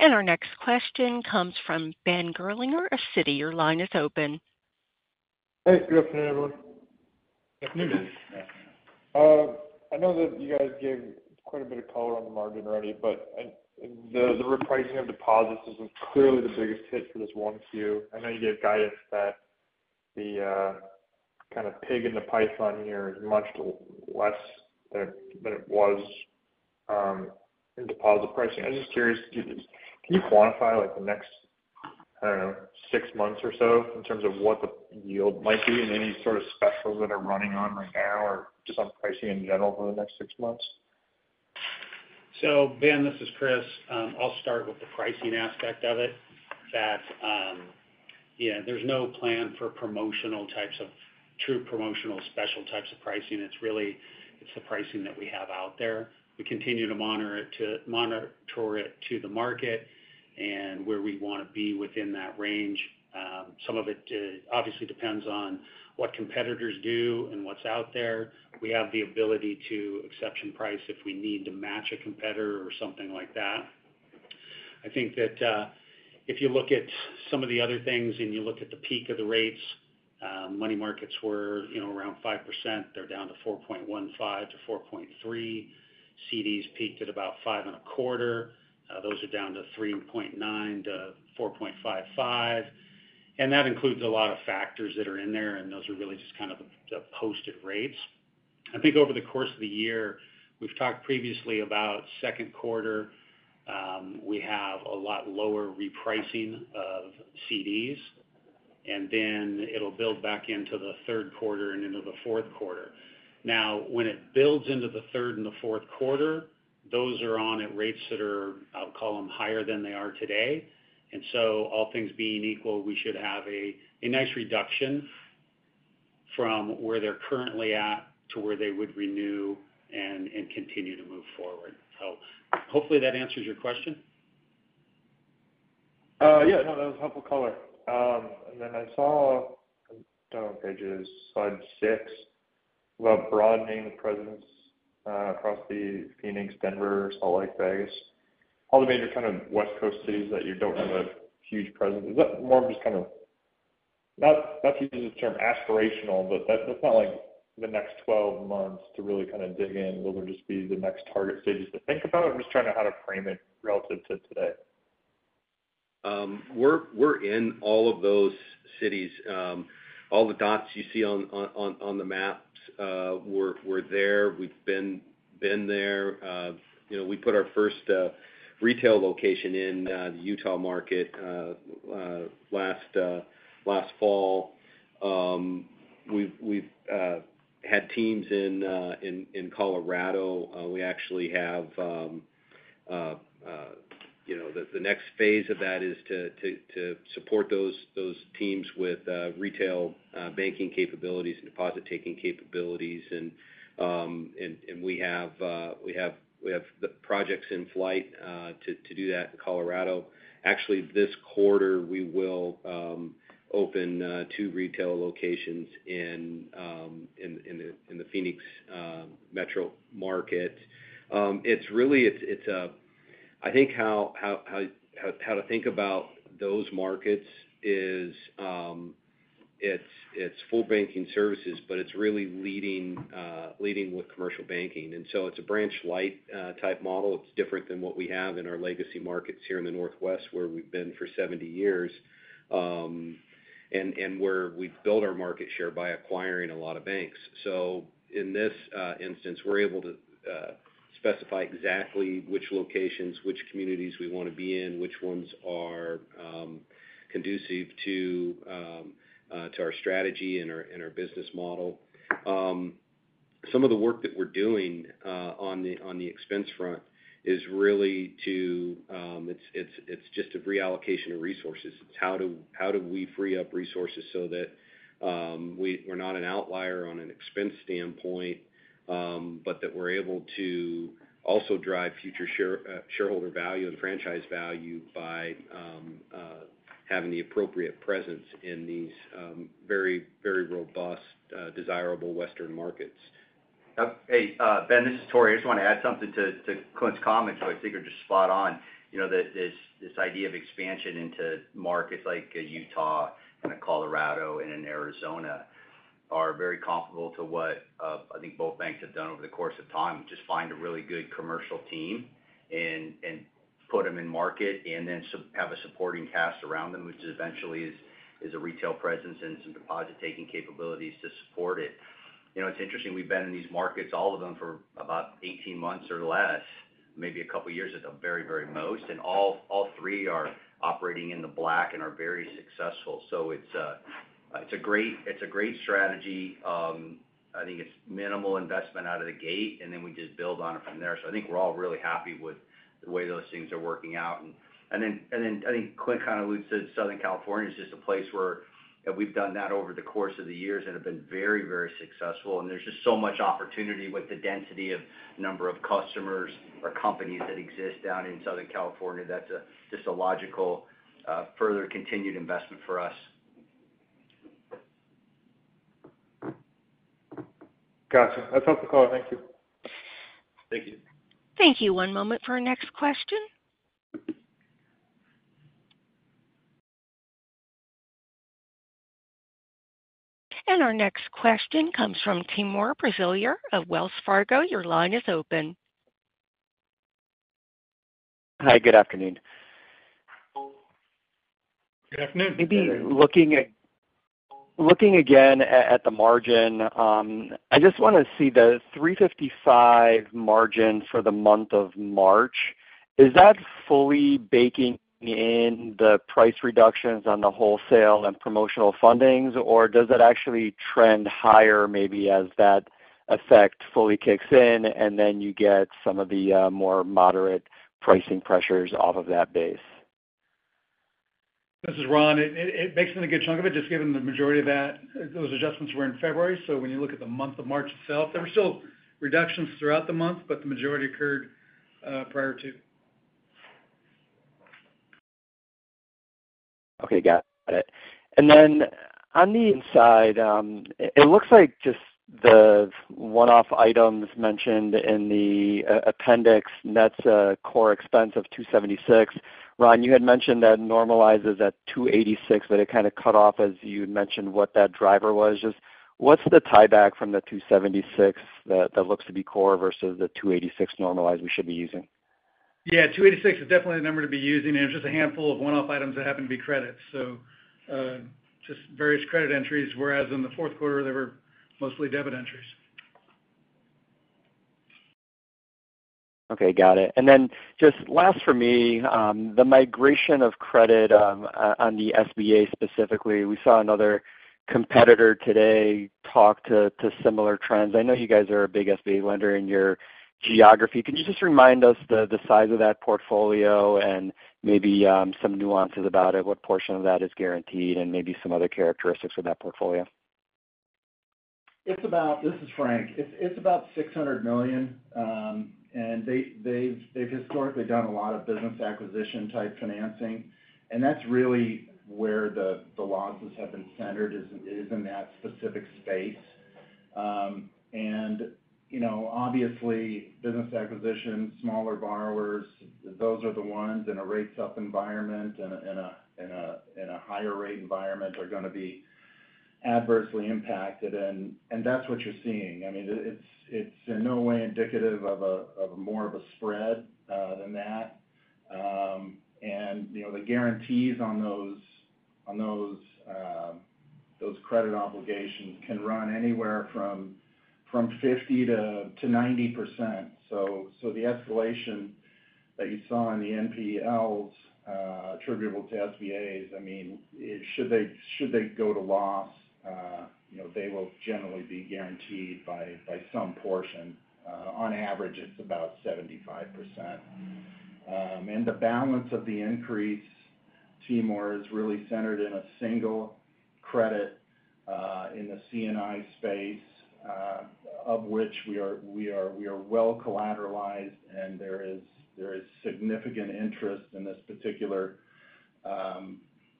Our next question comes from Ben Gerlinger, Citi. Your line is open. Hey. Good afternoon, everyone. Good afternoon, guys. I know that you guys gave quite a bit of color on the margin already, but the repricing of deposits is clearly the biggest hit for this one Q. I know you gave guidance that the kind of pig in the python here is much less than it was in deposit pricing. I'm just curious, can you quantify the next, I don't know, six months or so in terms of what the yield might be and any sort of specials that are running on right now or just on pricing in general for the next six months? So Ben, this is Chris. I'll start with the pricing aspect of it, that there's no plan for promotional types of true promotional special types of pricing. It's the pricing that we have out there. We continue to monitor it to the market and where we want to be within that range. Some of it obviously depends on what competitors do and what's out there. We have the ability to exception price if we need to match a competitor or something like that. I think that if you look at some of the other things and you look at the peak of the rates, money markets were around 5%. They're down to 4.15% to 4.3%. CDs peaked at about 5.25%. Those are down to 3.9% to 4.55%. That includes a lot of factors that are in there, and those are really just kind of the posted rates. I think over the course of the year, we've talked previously about second quarter. We have a lot lower repricing of CDs, and then it'll build back into the third quarter and into the fourth quarter. Now, when it builds into the third and the fourth quarter, those are on at rates that are I'll call them higher than they are today. And so all things being equal, we should have a nice reduction from where they're currently at to where they would renew and continue to move forward. So hopefully, that answers your question. Yeah. No, that was helpful color. And then I saw I don't know if it was slide six, about broadening the presence across the Phoenix, Denver, Salt Lake, Vegas, all the major kind of West Coast cities that you don't have a huge presence. Is that more of just kind of not to use the term aspirational, but that's not like the next 12 months to really kind of dig in? Will there just be the next target stages to think about? I'm just trying to how to frame it relative to today. We're in all of those cities. All the dots you see on the maps were there. We've been there. We put our first retail location in the Utah market last fall. We've had teams in Colorado. We actually have the next phase of that is to support those teams with retail banking capabilities and deposit-taking capabilities. And we have projects in flight to do that in Colorado. Actually, this quarter, we will open 2 retail locations in the Phoenix metro market. I think how to think about those markets is it's full banking services, but it's really leading with commercial banking. And so it's a branch-light type model. It's different than what we have in our legacy markets here in the Northwest where we've been for 70 years and where we've built our market share by acquiring a lot of banks. So in this instance, we're able to specify exactly which locations, which communities we want to be in, which ones are conducive to our strategy and our business model. Some of the work that we're doing on the expense front is really, it's just a reallocation of resources. It's how do we free up resources so that we're not an outlier on an expense standpoint, but that we're able to also drive future shareholder value and franchise value by having the appropriate presence in these very, very robust, desirable Western markets. Hey, Ben, this is Tory. I just want to add something to Clint's comments, but I think they're just spot on. This idea of expansion into markets like Utah and Colorado and in Arizona are very comparable to what I think both banks have done over the course of time, just find a really good commercial team and put them in market and then have a supporting cast around them, which eventually is a retail presence and some deposit-taking capabilities to support it. It's interesting. We've been in these markets, all of them, for about 18 months or less, maybe a couple of years at the very, very most. And all three are operating in the black and are very successful. So it's a great strategy. I think it's minimal investment out of the gate, and then we just build on it from there. So I think we're all really happy with the way those things are working out. And then I think Clint kind of alluded to Southern California as just a place where we've done that over the course of the years and have been very, very successful. And there's just so much opportunity with the density of number of customers or companies that exist down in Southern California. That's just a logical further continued investment for us. Gotcha. That's helpful color. Thank you. Thank you. Thank you. One moment for our next question. Our next question comes from Timur Braziler of Wells Fargo. Your line is open. Hi. Good afternoon. Good afternoon. Maybe looking again at the margin, I just want to see the 3.55 margin for the month of March. Is that fully baking in the price reductions on the wholesale and promotional fundings, or does that actually trend higher maybe as that effect fully kicks in and then you get some of the more moderate pricing pressures off of that base? This is Ron. It bakes in a good chunk of it just given the majority of those adjustments were in February. So when you look at the month of March itself, there were still reductions throughout the month, but the majority occurred prior to. Okay. Got it. And then on the inside, it looks like just the one-off items mentioned in the appendix, and that's a core expense of $276. Ron, you had mentioned that normalizes at $286, but it kind of cut off as you mentioned what that driver was. Just what's the tieback from the $276 that looks to be core versus the $286 normalized we should be using? Yeah. 286 is definitely the number to be using. It's just a handful of one-off items that happen to be credits, so just various credit entries, whereas in the fourth quarter, they were mostly debit entries. Okay. Got it. And then just last for me, the migration of credit on the SBA specifically, we saw another competitor today talk to similar trends. I know you guys are a big SBA lender in your geography. Can you just remind us the size of that portfolio and maybe some nuances about it, what portion of that is guaranteed, and maybe some other characteristics of that portfolio? This is Frank. It's about $600 million. They've historically done a lot of business acquisition-type financing. And that's really where the losses have been centered, is in that specific space. And obviously, business acquisitions, smaller borrowers, those are the ones in a rates-up environment and in a higher-rate environment are going to be adversely impacted. And that's what you're seeing. I mean, it's in no way indicative of more of a spread than that. And the guarantees on those credit obligations can run anywhere from 50% to 90%. So the escalation that you saw in the NPLs attributable to SBAs, I mean, should they go to loss, they will generally be guaranteed by some portion. On average, it's about 75%. The balance of the increase, Timur, is really centered in a single credit in the C&I space of which we are well collateralized, and there is significant interest in this particular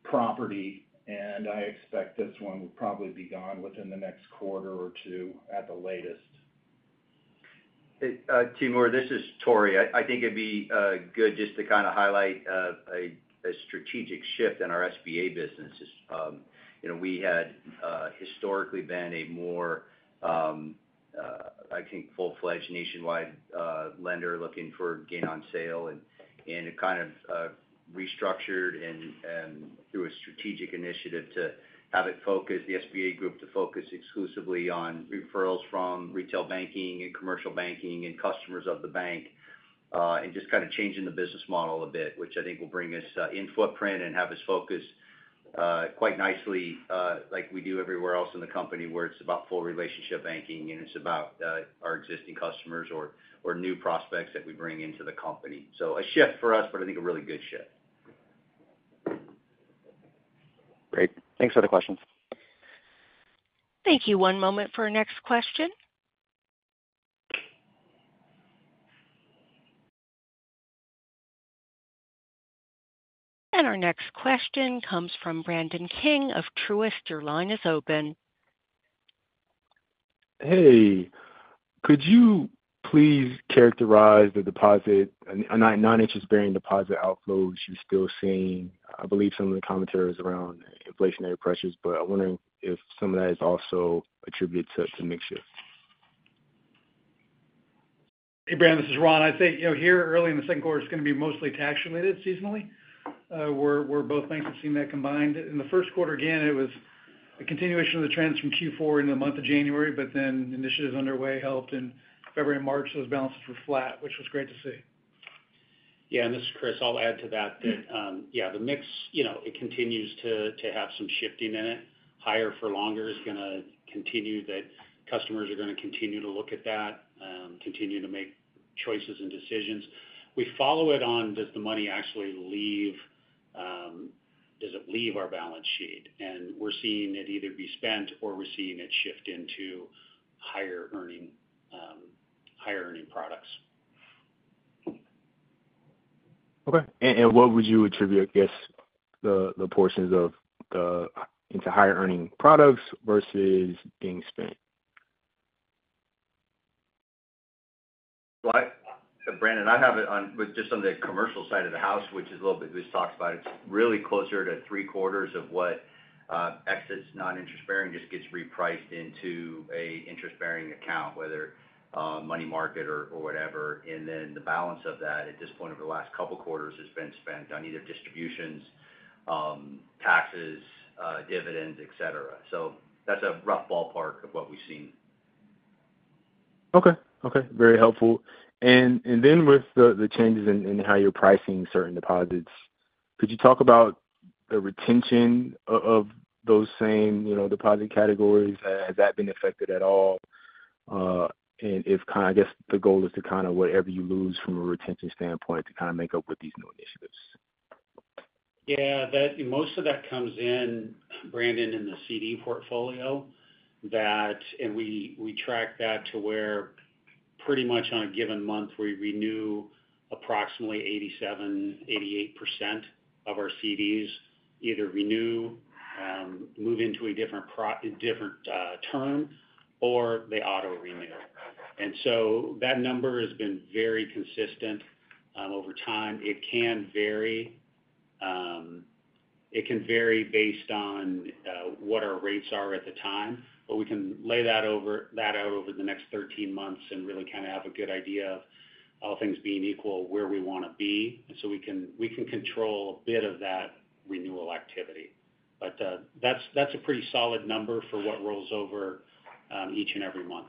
property. I expect this one will probably be gone within the next quarter or two at the latest. Timur, this is Tory. I think it'd be good just to kind of highlight a strategic shift in our SBA business. We had historically been a more, I think, full-fledged nationwide lender looking for gain on sale. It kind of restructured through a strategic initiative to have the SBA group to focus exclusively on referrals from retail banking and commercial banking and customers of the bank and just kind of changing the business model a bit, which I think will bring us in footprint and have us focus quite nicely like we do everywhere else in the company where it's about full relationship banking and it's about our existing customers or new prospects that we bring into the company. A shift for us, but I think a really good shift. Great. Thanks for the questions. Thank you. One moment for our next question. Our next question comes from Brandon King of Truist. Your line is open. Hey. Could you please characterize the deposit and non-interest-bearing deposit outflows you're still seeing? I believe some of the commentary is around inflationary pressures, but I'm wondering if some of that is also attributed to mix shifts. Hey, Ben. This is Ron. I'd say here early in the second quarter, it's going to be mostly tax-related seasonally. We, both banks, have seen that combined. In the first quarter, again, it was a continuation of the trends from Q4 into the month of January, but then initiatives underway helped, and February and March, those balances were flat, which was great to see. Yeah. And this is Chris. I'll add to that that, yeah, the mix, it continues to have some shifting in it. Higher for longer is going to continue, that customers are going to continue to look at that, continue to make choices and decisions. We follow it on, does the money actually leave? Does it leave our balance sheet? And we're seeing it either be spent or we're seeing it shift into higher-earning products. Okay. And what would you attribute, I guess, the portions into higher-earning products versus being spent? Brandon, I have it just on the commercial side of the house, which is a little bit we just talked about. It's really closer to three-quarters of what exits non-interest-bearing just gets repriced into an interest-bearing account, whether money market or whatever. And then the balance of that at this point over the last couple of quarters has been spent on either distributions, taxes, dividends, etc. So that's a rough ballpark of what we've seen. Okay. Okay. Very helpful. And then with the changes in how you're pricing certain deposits, could you talk about the retention of those same deposit categories? Has that been affected at all? And I guess the goal is to kind of whatever you lose from a retention standpoint to kind of make up with these new initiatives. Yeah. Most of that comes in, Brandon, in the CD portfolio. And we track that to where pretty much on a given month, we renew approximately 87%-88% of our CDs, either renew, move into a different term, or they auto-renew. And so that number has been very consistent over time. It can vary. It can vary based on what our rates are at the time, but we can lay that out over the next 13 months and really kind of have a good idea of all things being equal, where we want to be. And so we can control a bit of that renewal activity. But that's a pretty solid number for what rolls over each and every month.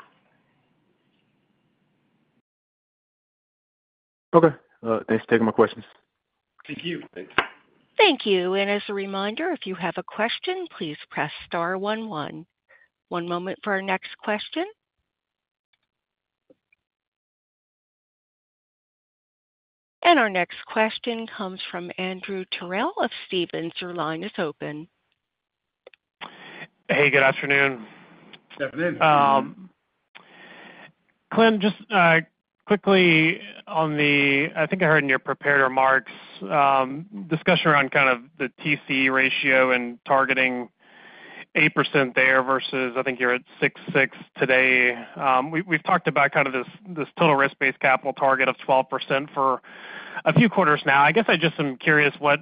Okay. Thanks for taking my questions. Thank you. Thanks. Thank you. And as a reminder, if you have a question, please press star 11. One moment for our next question. And our next question comes from Andrew Terrell of Stephens. Your line is open. Hey. Good afternoon. Good afternoon. Clint, just quickly on the—I think I heard in your prepared remarks—discussion around kind of the TCE ratio and targeting 8% there versus I think you're at 6.6% today. We've talked about kind of this total risk-based capital target of 12% for a few quarters now. I guess I just am curious what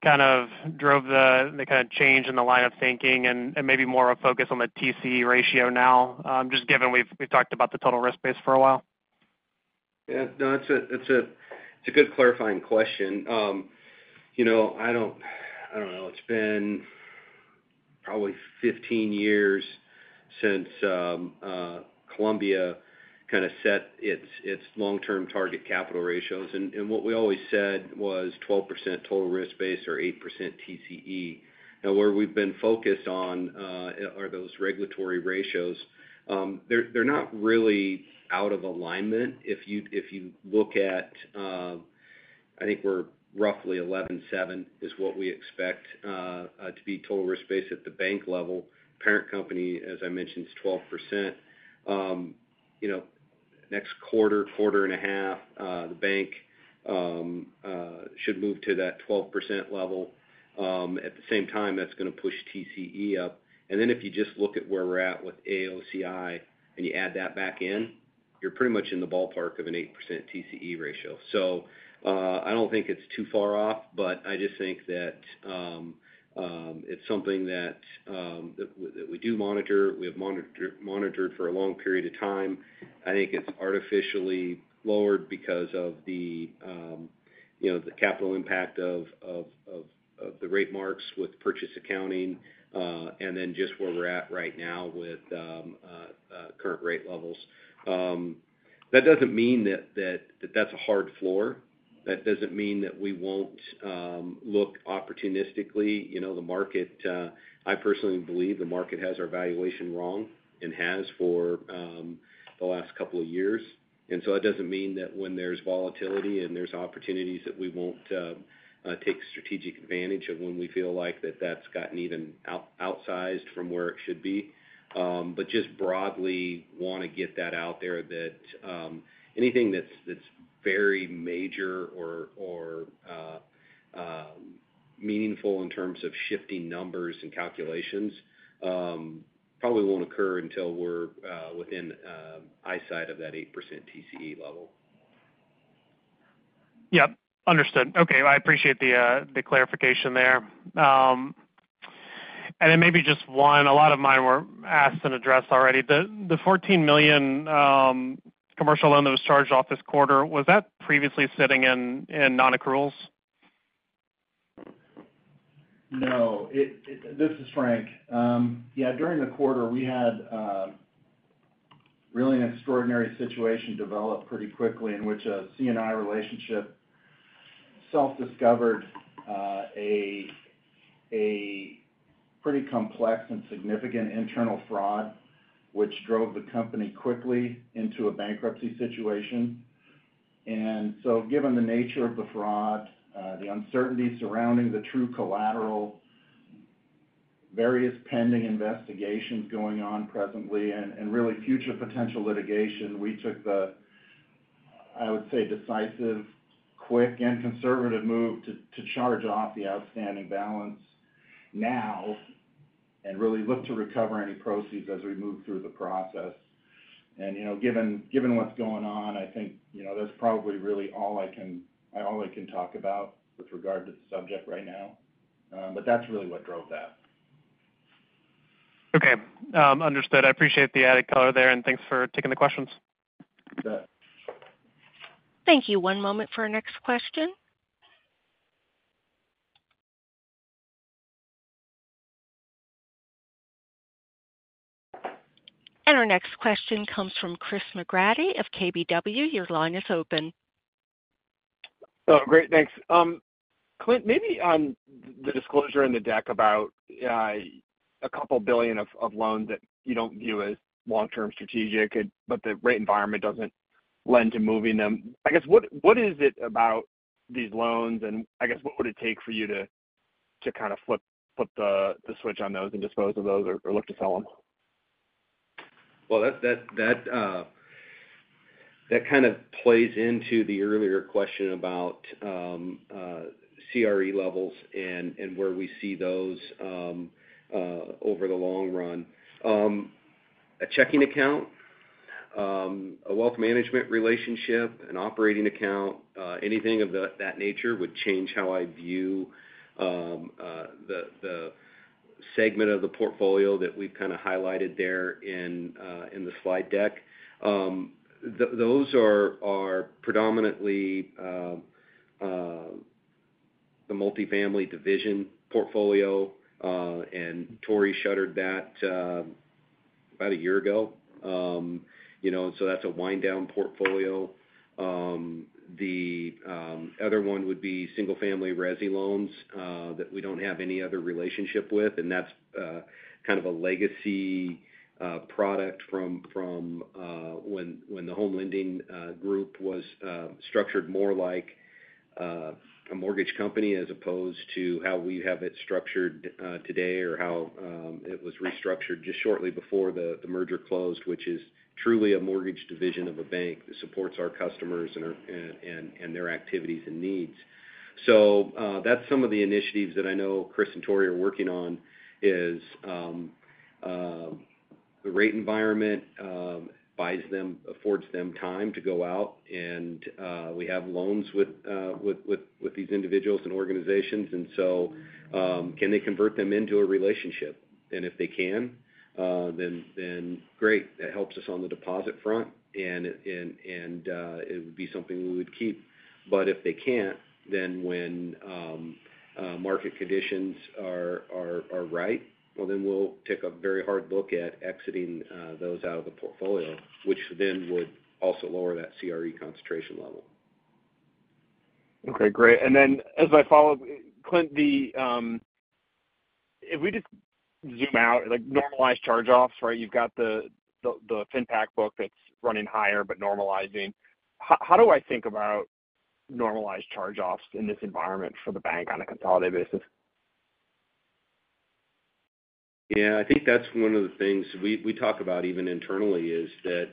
kind of drove the kind of change in the line of thinking and maybe more of a focus on the TCE ratio now, just given we've talked about the total risk-based for a while. Yeah. No, it's a good clarifying question. I don't know. It's been probably 15 years since Columbia kind of set its long-term target capital ratios. And what we always said was 12% total risk-based or 8% TCE. Now, where we've been focused on are those regulatory ratios. They're not really out of alignment. If you look at, I think we're roughly 11.7% is what we expect to be total risk-based at the bank level. Parent company, as I mentioned, is 12%. Next quarter, quarter and a half, the bank should move to that 12% level. At the same time, that's going to push TCE up. And then if you just look at where we're at with AOCI and you add that back in, you're pretty much in the ballpark of an 8% TCE ratio. I don't think it's too far off, but I just think that it's something that we do monitor. We have monitored for a long period of time. I think it's artificially lowered because of the capital impact of the rate marks with purchase accounting and then just where we're at right now with current rate levels. That doesn't mean that that's a hard floor. That doesn't mean that we won't look opportunistically. I personally believe the market has our valuation wrong and has for the last couple of years. And so it doesn't mean that when there's volatility and there's opportunities that we won't take strategic advantage of when we feel like that that's gotten even outsized from where it should be. Just broadly, want to get that out there that anything that's very major or meaningful in terms of shifting numbers and calculations probably won't occur until we're within eyesight of that 8% TCE level. Yep. Understood. Okay. I appreciate the clarification there. And then maybe just one, a lot of mine were asked and addressed already. The $14 million commercial loan that was charged off this quarter, was that previously sitting in non-accruals? No. This is Frank. Yeah. During the quarter, we had really an extraordinary situation develop pretty quickly in which a C&I relationship self-discovered a pretty complex and significant internal fraud, which drove the company quickly into a bankruptcy situation. And so given the nature of the fraud, the uncertainty surrounding the true collateral, various pending investigations going on presently, and really future potential litigation, we took the, I would say, decisive, quick, and conservative move to charge off the outstanding balance now and really look to recover any proceeds as we move through the process. And given what's going on, I think that's probably really all I can talk about with regard to the subject right now. But that's really what drove that. Okay. Understood. I appreciate the added color there, and thanks for taking the questions. Thank you. One moment for our next question. Our next question comes from Chris McGratty of KBW. Your line is open. Oh, great. Thanks. Clint, maybe on the disclosure in the deck about $2 billion of loans that you don't view as long-term strategic, but the rate environment doesn't lend to moving them. I guess what is it about these loans, and I guess what would it take for you to kind of flip the switch on those and dispose of those or look to sell them? Well, that kind of plays into the earlier question about CRE levels and where we see those over the long run. A checking account, a wealth management relationship, an operating account, anything of that nature would change how I view the segment of the portfolio that we've kind of highlighted there in the slide deck. Those are predominantly the multifamily division portfolio, and Tory shuttered that about a year ago. And so that's a wind-down portfolio. The other one would be single-family resi loans that we don't have any other relationship with. And that's kind of a legacy product from when the home lending group was structured more like a mortgage company as opposed to how we have it structured today or how it was restructured just shortly before the merger closed, which is truly a mortgage division of a bank that supports our customers and their activities and needs. So that's some of the initiatives that I know Chris and Tory are working on is the rate environment affords them time to go out, and we have loans with these individuals and organizations. And so can they convert them into a relationship? And if they can, then great. That helps us on the deposit front, and it would be something we would keep. But if they can't, then when market conditions are right, well, then we'll take a very hard look at exiting those out of the portfolio, which then would also lower that CRE concentration level. Okay. Great. And then as I follow up, Clint, if we just zoom out, normalized charge-offs, right? You've got the FinPac book that's running higher but normalizing. How do I think about normalized charge-offs in this environment for the bank on a consolidated basis? Yeah. I think that's one of the things we talk about even internally is that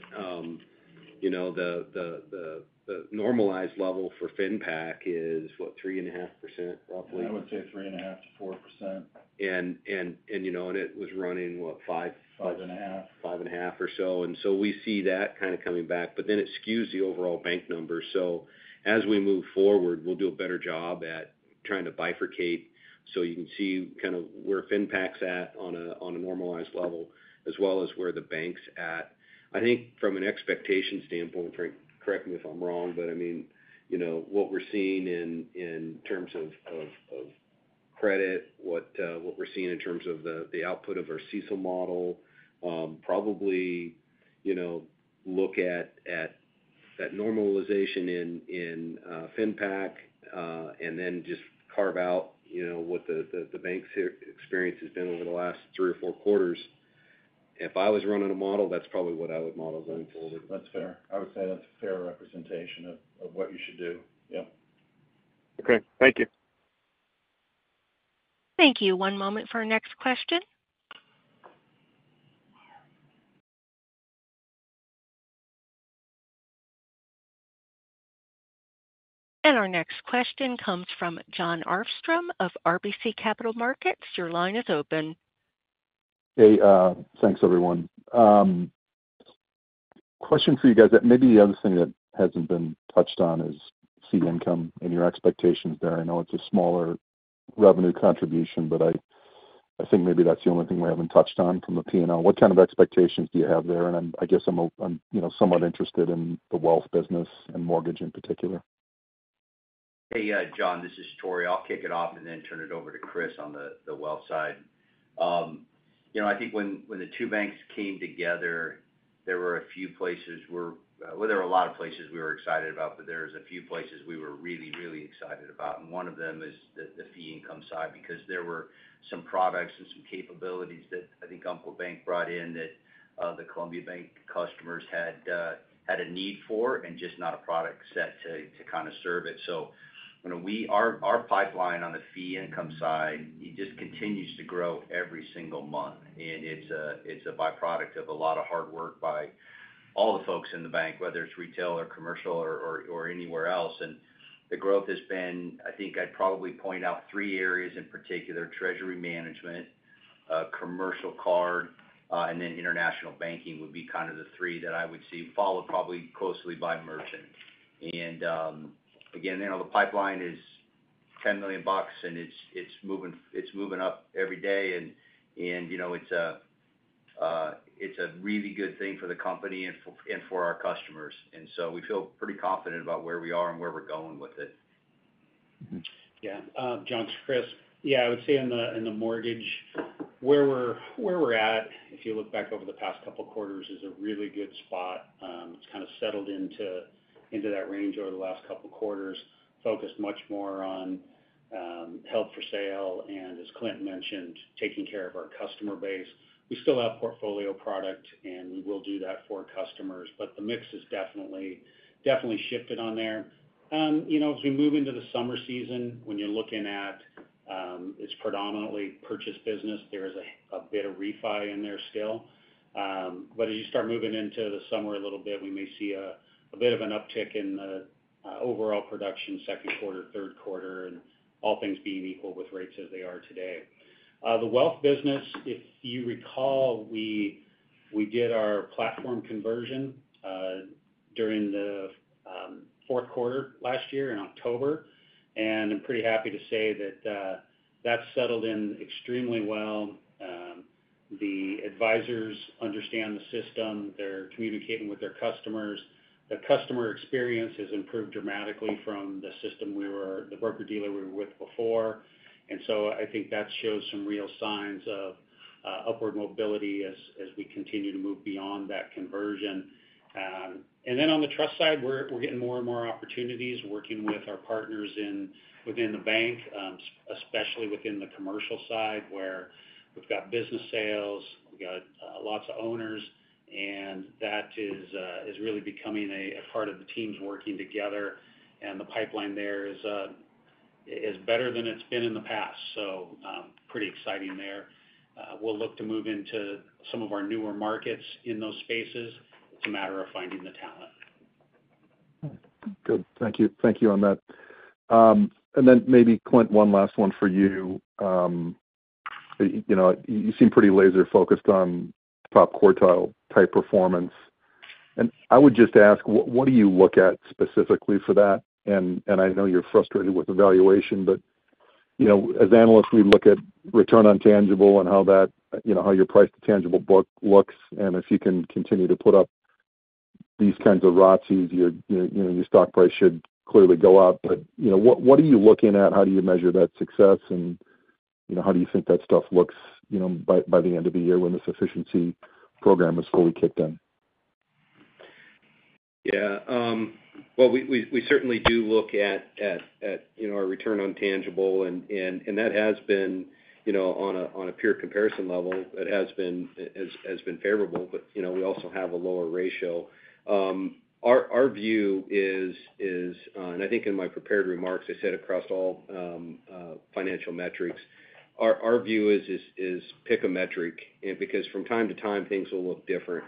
the normalized level for FinPac is, what, 3.5%, roughly? I would say 3.5% to 4%. It was running, what, five? 5.5. 5.5 or so. So we see that kind of coming back, but then it skews the overall bank numbers. As we move forward, we'll do a better job at trying to bifurcate so you can see kind of where FinPac's at on a normalized level as well as where the bank's at. I think from an expectation standpoint, Frank, correct me if I'm wrong, but I mean, what we're seeing in terms of credit, what we're seeing in terms of the output of our CECL model, probably look at that normalization in FinPac and then just carve out what the bank's experience has been over the last three or four quarters. If I was running a model, that's probably what I would model going forward. That's fair. I would say that's a fair representation of what you should do. Yep. Okay. Thank you. Thank you. One moment for our next question. Our next question comes from Jon Arfstrom of RBC Capital Markets. Your line is open. Hey. Thanks, everyone. Question for you guys. Maybe the other thing that hasn't been touched on is fee income and your expectations there. I know it's a smaller revenue contribution, but I think maybe that's the only thing we haven't touched on from the P&L. What kind of expectations do you have there? I guess I'm somewhat interested in the wealth business and mortgage in particular. Hey. Yeah. Jon. This is Tory. I'll kick it off and then turn it over to Chris on the wealth side. I think when the two banks came together, there were a few places where, well, there were a lot of places we were excited about, but there were a few places we were really, really excited about. And one of them is the fee income side because there were some products and some capabilities that I think Umpqua Bank brought in that the Columbia Bank customers had a need for and just not a product set to kind of serve it. So our pipeline on the fee income side, it just continues to grow every single month. And it's a byproduct of a lot of hard work by all the folks in the bank, whether it's retail or commercial or anywhere else. The growth has been I think I'd probably point out three areas in particular: treasury management, commercial card, and then international banking would be kind of the three that I would see, followed probably closely by merchant. And again, the pipeline is $10 million, and it's moving up every day. And it's a really good thing for the company and for our customers. And so we feel pretty confident about where we are and where we're going with it. Yeah. Jon. Chris. Yeah. I would say in the mortgage, where we're at, if you look back over the past couple of quarters, is a really good spot. It's kind of settled into that range over the last couple of quarters, focused much more on held for sale, and as Clint mentioned, taking care of our customer base. We still have portfolio product, and we will do that for customers, but the mix has definitely shifted on there. As we move into the summer season, when you're looking at it's predominantly purchase business, there is a bit of refi in there still. But as you start moving into the summer a little bit, we may see a bit of an uptick in the overall production second quarter, third quarter, and all things being equal with rates as they are today. The wealth business, if you recall, we did our platform conversion during the fourth quarter last year in October. I'm pretty happy to say that that's settled in extremely well. The advisors understand the system. They're communicating with their customers. The customer experience has improved dramatically from the broker-dealer we were with before. So I think that shows some real signs of upward mobility as we continue to move beyond that conversion. Then on the trust side, we're getting more and more opportunities working with our partners within the bank, especially within the commercial side where we've got business sales. We've got lots of owners, and that is really becoming a part of the teams working together. The pipeline there is better than it's been in the past, so pretty exciting there. We'll look to move into some of our newer markets in those spaces. It's a matter of finding the talent. Good. Thank you. Thank you on that. And then maybe, Clint, one last one for you. You seem pretty laser-focused on top quartile-type performance. And I would just ask, what do you look at specifically for that? And I know you're frustrated with the valuation, but as analysts, we look at return on tangible and how your price-to-tangible book looks. And if you can continue to put up these kinds of ROTCEs, your stock price should clearly go up. But what are you looking at? How do you measure that success? And how do you think that stuff looks by the end of the year when the efficiency program is fully kicked in? Yeah. Well, we certainly do look at our return on tangible, and that has been on a peer comparison level, it has been favorable, but we also have a lower ratio. Our view is and I think in my prepared remarks, I said across all financial metrics, our view is pick a metric because from time to time, things will look different.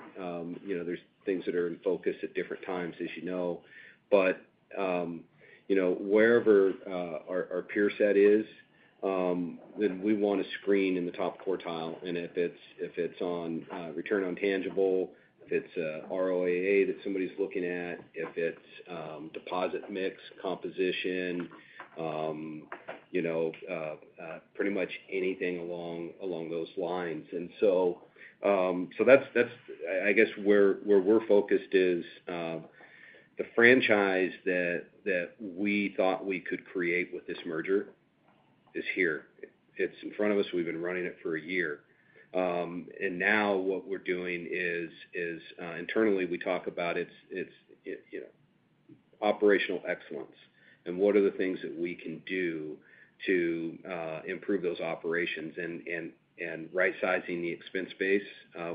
There's things that are in focus at different times, as you know. But wherever our peer set is, then we want a screen in the top quartile. And if it's on return on tangible, if it's ROAA that somebody's looking at, if it's deposit mix, composition, pretty much anything along those lines. And so that's, I guess, where we're focused is the franchise that we thought we could create with this merger is here. It's in front of us. We've been running it for a year. And now what we're doing is internally, we talk about it's operational excellence and what are the things that we can do to improve those operations and right-sizing the expense base.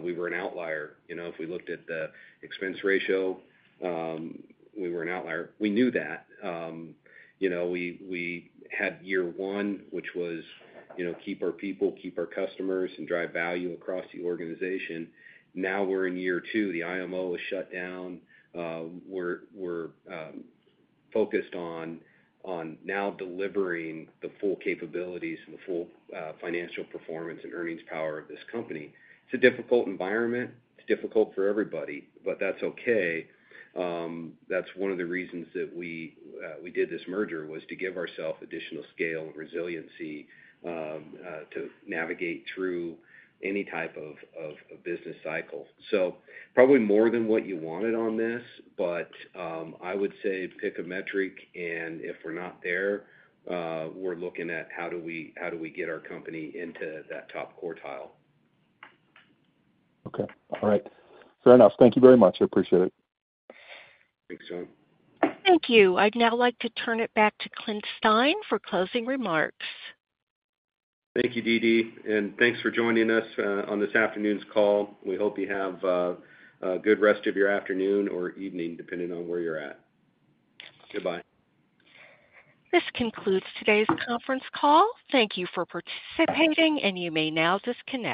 We were an outlier. If we looked at the expense ratio, we were an outlier. We knew that. We had year one, which was keep our people, keep our customers, and drive value across the organization. Now we're in year two. The IMO was shut down. We're focused on now delivering the full capabilities and the full financial performance and earnings power of this company. It's a difficult environment. It's difficult for everybody, but that's okay. That's one of the reasons that we did this merger was to give ourselves additional scale and resiliency to navigate through any type of business cycle. So probably more than what you wanted on this, but I would say pick a metric. If we're not there, we're looking at how do we get our company into that top quartile. Okay. All right. Fair enough. Thank you very much. I appreciate it. Thanks, Jon. Thank you. I'd now like to turn it back to Clint Stein for closing remarks. Thank you, Dee Dee. Thanks for joining us on this afternoon's call. We hope you have a good rest of your afternoon or evening, depending on where you're at. Goodbye. This concludes today's conference call. Thank you for participating, and you may now disconnect.